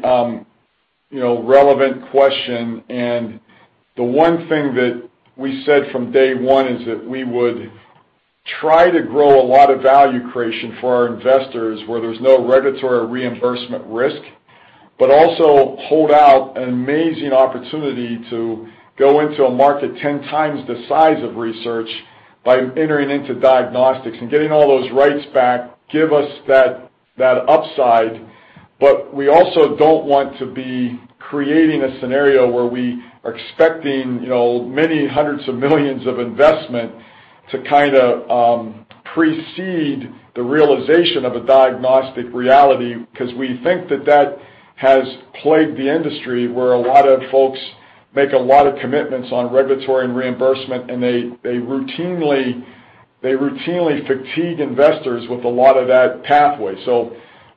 relevant question, and the one thing that we said from day one is that we would try to grow a lot of value creation for our investors where there's no regulatory reimbursement risk, also hold out an amazing opportunity to go into a market 10 times the size of research by entering into diagnostics. Getting all those rights back give us that upside. We also don't want to be creating a scenario where we are expecting many hundreds of millions of investment to kind of precede the realization of a diagnostic reality, because we think that that has plagued the industry, where a lot of folks make a lot of commitments on regulatory and reimbursement, and they routinely fatigue investors with a lot of that pathway.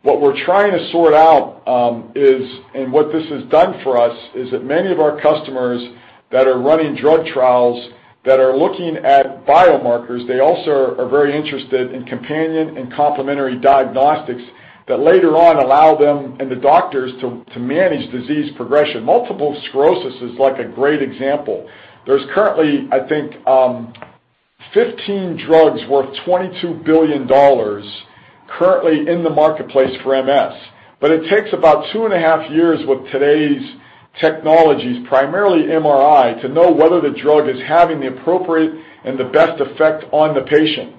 What we're trying to sort out is, and what this has done for us, is that many of our customers that are running drug trials that are looking at biomarkers, they also are very interested in companion and complementary diagnostics that later on allow them and the doctors to manage disease progression. Multiple sclerosis is a great example. There's currently, I think, 15 drugs worth $22 billion currently in the marketplace for MS. It takes about two and a half years with today's technologies, primarily MRI, to know whether the drug is having the appropriate and the best effect on the patient.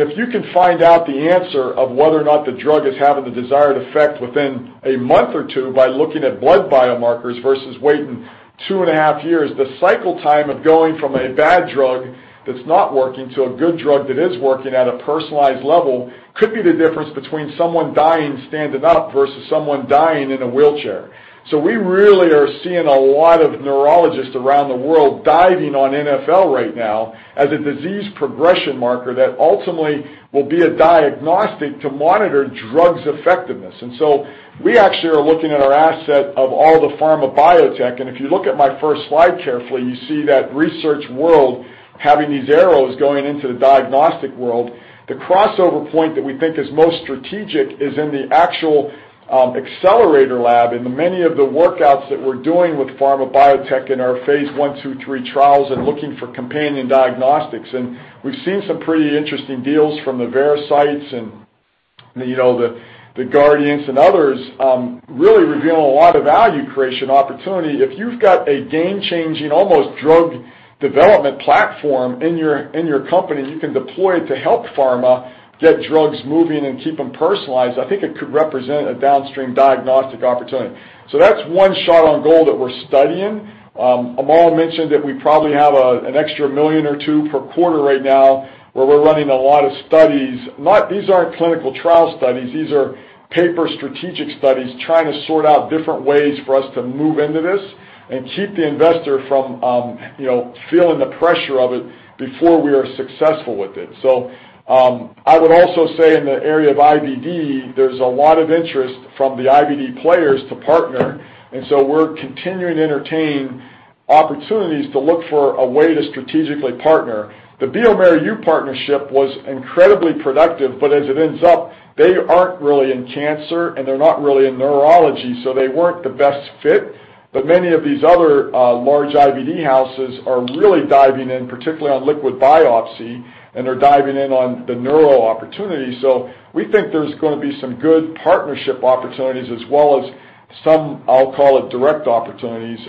If you can find out the answer of whether or not the drug is having the desired effect within a month or two by looking at blood biomarkers versus waiting two and a half years, the cycle time of going from a bad drug that's not working to a good drug that is working at a personalized level could be the difference between someone dying standing up versus someone dying in a wheelchair. We really are seeing a lot of neurologists around the world diving on NfL right now as a disease progression marker that ultimately will be a diagnostic to monitor drugs' effectiveness. We actually are looking at our asset of all the pharma biotech, and if you look at my first slide carefully, you see that research world having these arrows going into the diagnostic world. The crossover point that we think is most strategic is in the actual accelerator lab in many of the workouts that we're doing with pharma biotech in our phase I, II, III trials and looking for companion diagnostics. We've seen some pretty interesting deals from the Veracyte and the Guardant and others, really revealing a lot of value creation opportunity. If you've got a game-changing, almost drug development platform in your company you can deploy to help pharma get drugs moving and keep them personalized, I think it could represent a downstream diagnostic opportunity. That's one shot on goal that we're studying. Amol mentioned that we probably have an extra million or two per quarter right now where we're running a lot of studies. These aren't clinical trial studies. These are paper strategic studies trying to sort out different ways for us to move into this and keep the investor from feeling the pressure of it before we are successful with it. I would also say in the area of IVD, there's a lot of interest from the IVD players to partner, and so we're continuing to entertain opportunities to look for a way to strategically partner. The bioMérieux partnership was incredibly productive, but as it ends up, they aren't really in cancer and they're not really in neurology, so they weren't the best fit. Many of these other large IVD houses are really diving in, particularly on liquid biopsy, and they're diving in on the neuro opportunity. We think there's going to be some good partnership opportunities as well as some, I'll call it direct opportunities.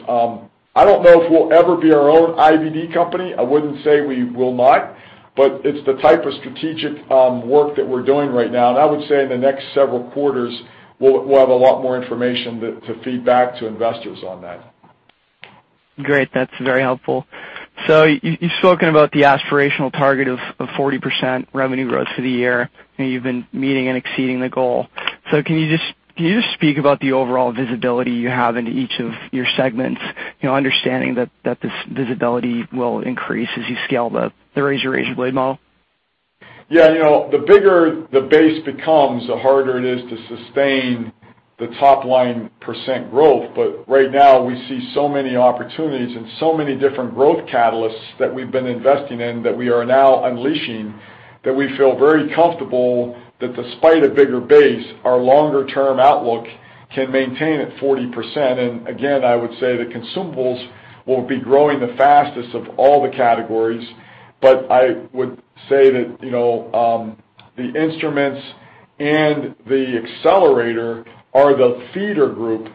I don't know if we'll ever be our own IVD company. I wouldn't say we will not, it's the type of strategic work that we're doing right now. I would say in the next several quarters, we'll have a lot more information to feed back to investors on that. Great. That's very helpful. You've spoken about the aspirational target of 40% revenue growth for the year, and you've been meeting and exceeding the goal. Can you just speak about the overall visibility you have into each of your segments, understanding that this visibility will increase as you scale the razor-razorblade model? Yeah. The bigger the base becomes, the harder it is to sustain the top line % growth. Right now, we see so many opportunities and so many different growth catalysts that we've been investing in that we are now unleashing, that we feel very comfortable that despite a bigger base, our longer-term outlook can maintain at 40%. Again, I would say the consumables will be growing the fastest of all the categories. I would say that the instruments and the Accelerator are the feeder group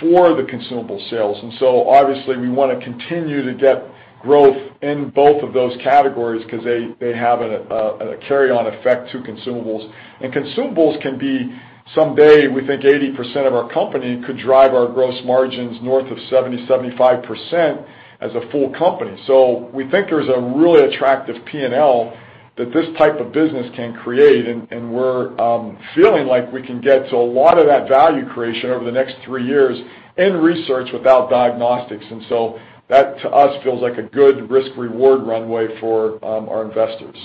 for the consumable sales. Obviously we want to continue to get growth in both of those categories because they have a carry-on effect to consumables. Consumables can be, someday, we think 80% of our company could drive our gross margins north of 70%-75% as a full company. We think there's a really attractive P&L that this type of business can create, and we're feeling like we can get to a lot of that value creation over the next three years in research without diagnostics. That to us feels like a good risk-reward runway for our investors.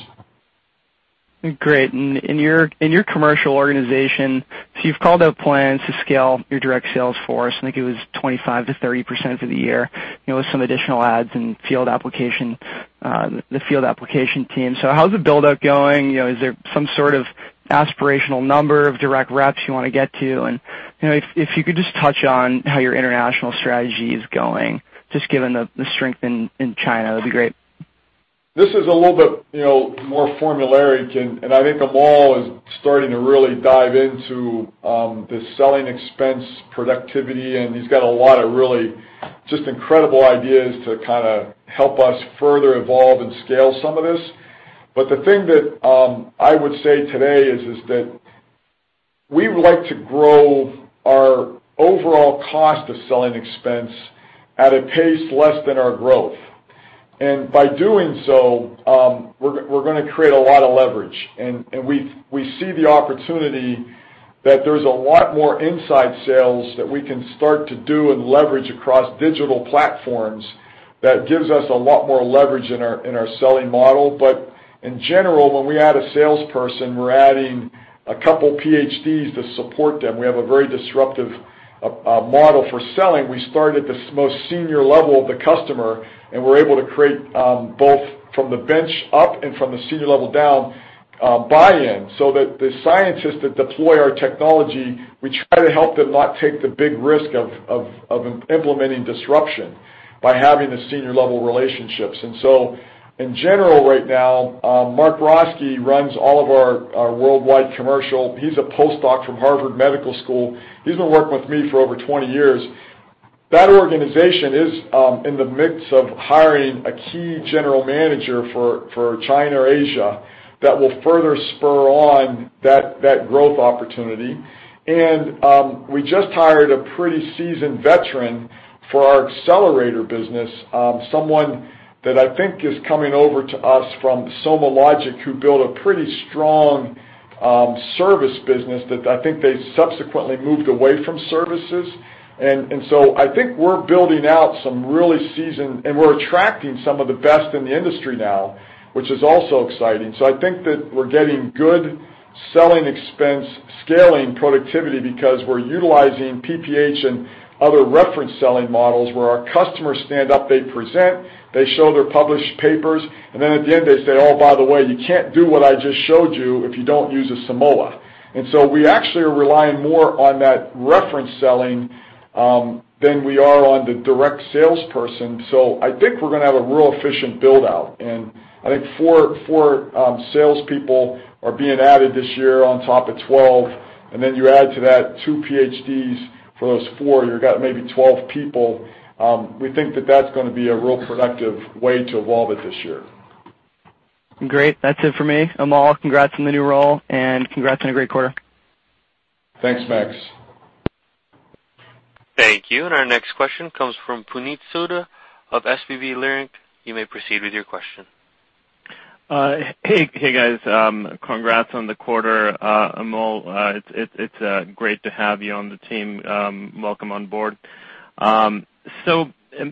Great. In your commercial organization, you've called out plans to scale your direct sales force, I think it was 25%-30% for the year, with some additional adds in the field application team. How's the buildup going? Is there some sort of aspirational number of direct reps you want to get to? If you could just touch on how your international strategy is going, just given the strength in China, that'd be great. This is a little bit more formulaic, I think Amol is starting to really dive into the selling expense productivity, he's got a lot of really just incredible ideas to help us further evolve and scale some of this. The thing that I would say today is that we would like to grow our overall cost of selling expense at a pace less than our growth. By doing so, we're going to create a lot of leverage. We see the opportunity that there's a lot more inside sales that we can start to do and leverage across digital platforms that gives us a lot more leverage in our selling model. In general, when we add a salesperson, we're adding a couple PhDs to support them. We have a very disruptive model for selling. We start at the most senior level of the customer, we're able to create both from the bench up and from the senior level down, buy-in, so that the scientists that deploy our technology, we try to help them not take the big risk of implementing disruption by having the senior level relationships. In general right now, Mark Bronski runs all of our worldwide commercial. He's a post-doc from Harvard Medical School. He's been working with me for over 20 years. That organization is in the midst of hiring a key general manager for China or Asia that will further spur on that growth opportunity. We just hired a pretty seasoned veteran for our accelerator business. Someone that I think is coming over to us from SomaLogic, who built a pretty strong service business that I think they subsequently moved away from services. I think we're building out some really seasoned, and we're attracting some of the best in the industry now, which is also exciting. I think that we're getting good selling expense scaling productivity because we're utilizing PPH and other reference selling models where our customers stand up, they present, they show their published papers, and then at the end they say, "Oh, by the way, you can't do what I just showed you if you don't use a Simoa." We actually are relying more on that reference selling than we are on the direct salesperson. I think we're going to have a real efficient build-out. I think four salespeople are being added this year on top of 12, then you add to that two PhDs for those four, you've got maybe 12 people. We think that that's going to be a real productive way to evolve it this year. Great. That's it for me. Amol, congrats on the new role. Congrats on a great quarter. Thanks, Max. Thank you. Our next question comes from Puneet Souda of SVB Leerink. You may proceed with your question. Hey, guys. Congrats on the quarter. Amol, it's great to have you on the team. Welcome on board.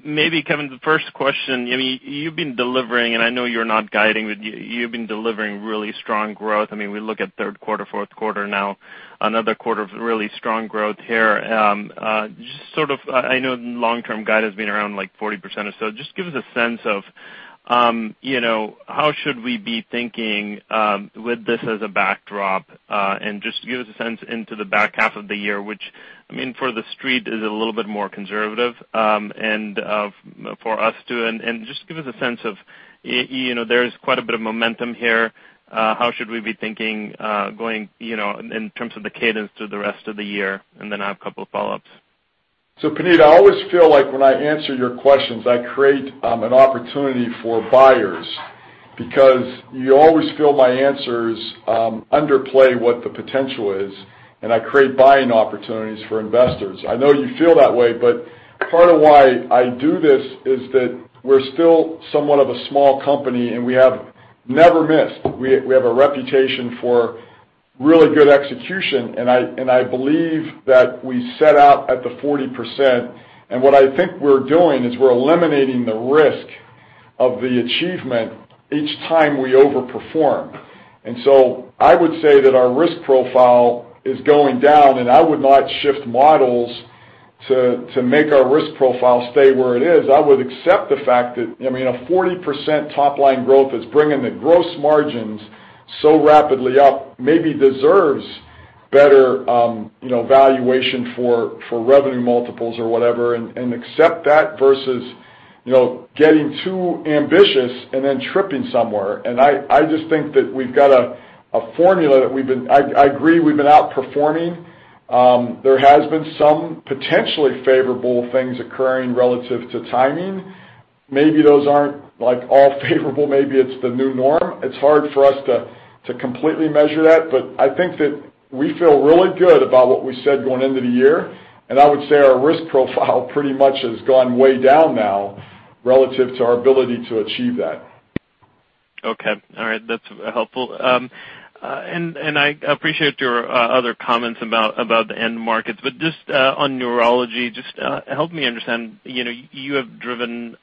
Maybe, Kevin, the first question, you've been delivering, and I know you're not guiding, but you've been delivering really strong growth. We look at third quarter, fourth quarter now, another quarter of really strong growth here. I know long-term guide has been around 40% or so. Just give us a sense of how should we be thinking with this as a backdrop? Just give us a sense into the back half of the year, which for the street is a little bit more conservative, and for us too. Just give us a sense of, there is quite a bit of momentum here, how should we be thinking in terms of the cadence through the rest of the year? Then I have a couple of follow-ups. Puneet, I always feel like when I answer your questions, I create an opportunity for buyers, because you always feel my answers underplay what the potential is, and I create buying opportunities for investors. I know you feel that way, but part of why I do this is that we're still somewhat of a small company, and we have never missed. We have a reputation for really good execution, and I believe that we set out at the 40%. What I think we're doing is we're eliminating the risk of the achievement each time we over-perform. I would say that our risk profile is going down, and I would not shift models to make our risk profile stay where it is. I would accept the fact that a 40% top-line growth is bringing the gross margins so rapidly up, maybe deserves better valuation for revenue multiples or whatever. Accept that versus getting too ambitious and then tripping somewhere. I just think that we've got a formula that I agree we've been outperforming. There has been some potentially favorable things occurring relative to timing. Maybe those aren't all favorable, maybe it's the new norm. It's hard for us to completely measure that. I think that we feel really good about what we said going into the year, and I would say our risk profile pretty much has gone way down now relative to our ability to achieve that. Okay. All right. That's helpful. I appreciate your other comments about the end markets. Just on neurology, just help me understand. You have driven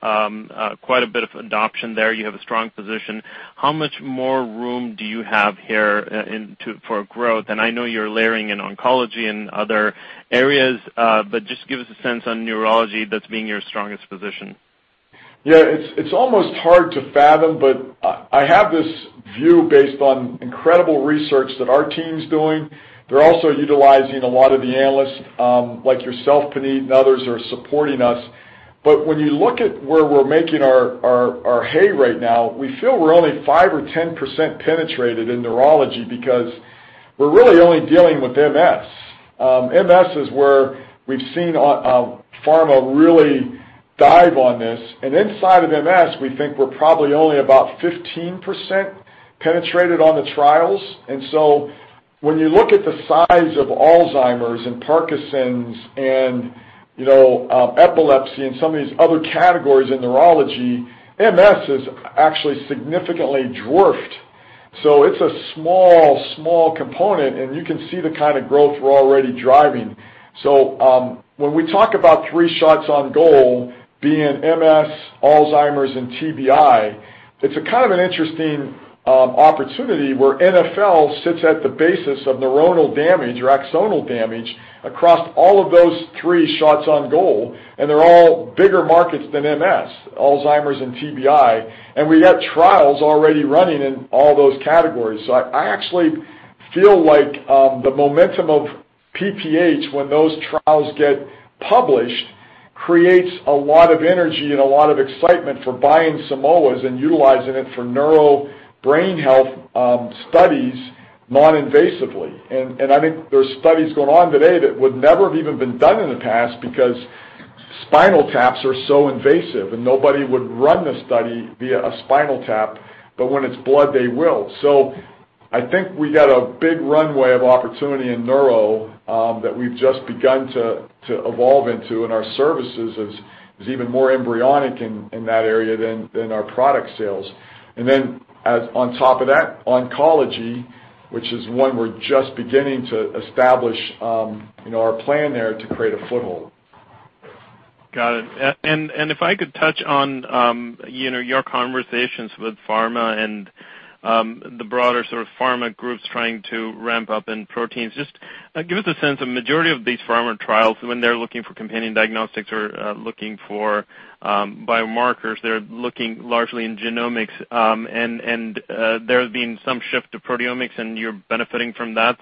quite a bit of adoption there. You have a strong position. How much more room do you have here for growth? I know you're layering in oncology and other areas. Just give us a sense on neurology that's being your strongest position. Yeah. It's almost hard to fathom, but I have this view based on incredible research that our team's doing. They're also utilizing a lot of the analysts like yourself, Puneet, and others are supporting us. When you look at where we're making our hay right now, we feel we're only 5% or 10% penetrated in neurology because we're really only dealing with MS. MS is where we've seen pharma really dive on this. Inside of MS, we think we're probably only about 15% penetrated on the trials. When you look at the size of Alzheimer's and Parkinson's and epilepsy and some of these other categories in neurology, MS has actually significantly dwarfed. It's a small component, and you can see the kind of growth we're already driving. When we talk about three shots on goal being MS, Alzheimer's, and TBI, it's a kind of an interesting opportunity where NfL sits at the basis of neuronal damage or axonal damage across all of those three shots on goal, and they're all bigger markets than MS, Alzheimer's, and TBI. We got trials already running in all those categories. I actually feel like the momentum of PPH when those trials get published creates a lot of energy and a lot of excitement for buying Simoas and utilizing it for neuro brain health studies non-invasively. I think there's studies going on today that would never have even been done in the past because spinal taps are so invasive, and nobody would run the study via a spinal tap. When it's blood, they will. I think we got a big runway of opportunity in neuro, that we've just begun to evolve into, and our services is even more embryonic in that area than our product sales. On top of that, oncology, which is one we're just beginning to establish our plan there to create a foothold. Got it. If I could touch on your conversations with pharma and the broader sort of pharma groups trying to ramp up in proteins. Just give us a sense, a majority of these pharma trials, when they're looking for companion diagnostics or looking for biomarkers, they're looking largely in genomics, and there has been some shift to proteomics, and you're benefiting from that.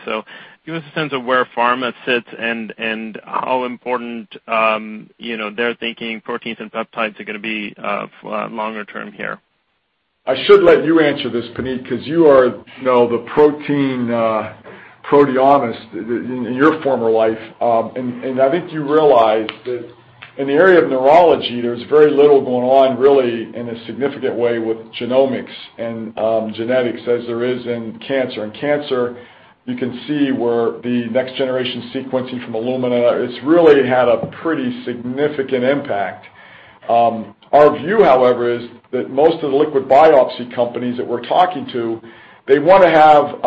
Give us a sense of where pharma sits and how important they're thinking proteins and peptides are going to be longer term here. I should let you answer this, Puneet, because you are the protein proteomist in your former life. I think you realize that in the area of neurology, there's very little going on really in a significant way with genomics and genetics as there is in cancer. In cancer, you can see where the next-generation sequencing from Illumina, it's really had a pretty significant impact. Our view, however, is that most of the liquid biopsy companies that we're talking to, they want to have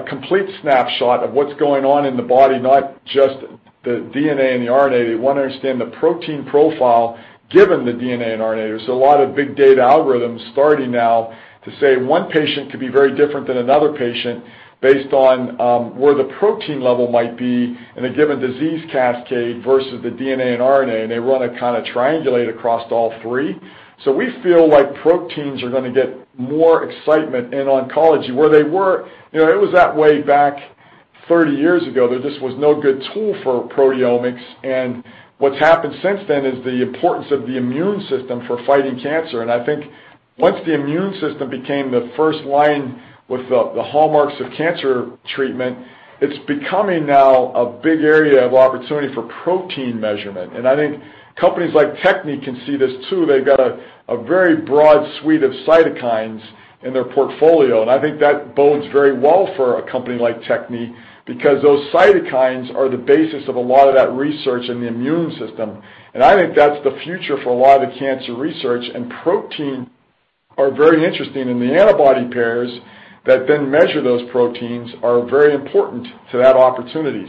a complete snapshot of what's going on in the body, not just the DNA and the RNA, they want to understand the protein profile given the DNA and RNA. There's a lot of big data algorithms starting now to say one patient could be very different than another patient based on where the protein level might be in a given disease cascade versus the DNA and RNA. They want to kind of triangulate across all three. We feel like proteins are going to get more excitement in oncology. Where they were, it was that way back 30 years ago, that this was no good tool for proteomics. What's happened since then is the importance of the immune system for fighting cancer. I think once the immune system became the first line with the hallmarks of cancer treatment, it's becoming now a big area of opportunity for protein measurement. I think companies like Techne can see this too. They've got a very broad suite of cytokines in their portfolio, I think that bodes very well for a company like Techne because those cytokines are the basis of a lot of that research in the immune system. I think that's the future for a lot of the cancer research and protein are very interesting and the antibody pairs that then measure those proteins are very important to that opportunity.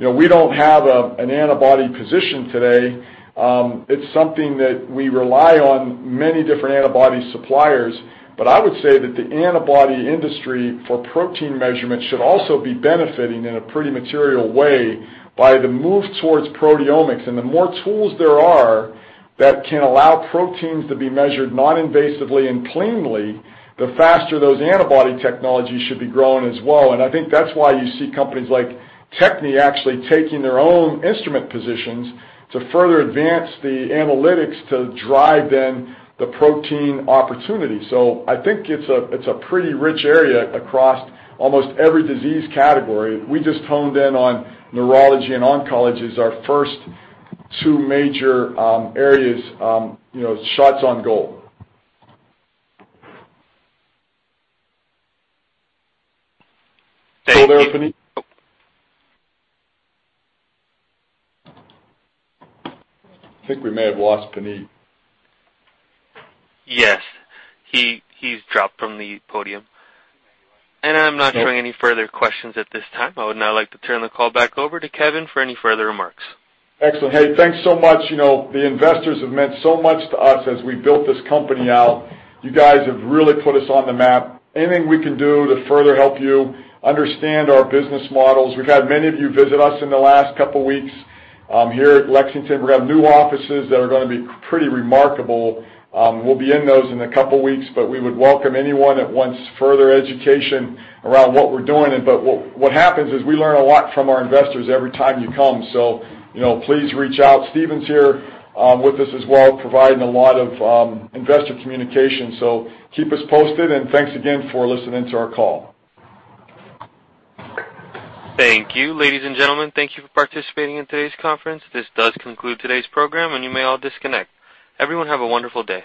We don't have an antibody position today. It's something that we rely on many different antibody suppliers. I would say that the antibody industry for protein measurement should also be benefiting in a pretty material way by the move towards proteomics. The more tools there are that can allow proteins to be measured non-invasively and cleanly, the faster those antibody technologies should be growing as well. I think that's why you see companies like Techne actually taking their own instrument positions to further advance the analytics to drive then the protein opportunity. I think it's a pretty rich area across almost every disease category. We just honed in on neurology and oncology as our first two major areas, shots on goal. Thank you. Still there, Puneet? I think we may have lost Puneet. Yes. He's dropped from the podium. I'm not showing any further questions at this time. I would now like to turn the call back over to Kevin for any further remarks. Excellent. Hey, thanks so much. The investors have meant so much to us as we built this company out. You guys have really put us on the map. Anything we can do to further help you understand our business models. We've had many of you visit us in the last couple weeks here at Lexington. We're going to have new offices that are going to be pretty remarkable. We'll be in those in a couple weeks, but we would welcome anyone that wants further education around what we're doing. What happens is we learn a lot from our investors every time you come. Please reach out. Steven's here with us as well, providing a lot of investor communication. Keep us posted and thanks again for listening to our call. Thank you. Ladies and gentlemen, thank you for participating in today's conference. This does conclude today's program, and you may all disconnect. Everyone have a wonderful day.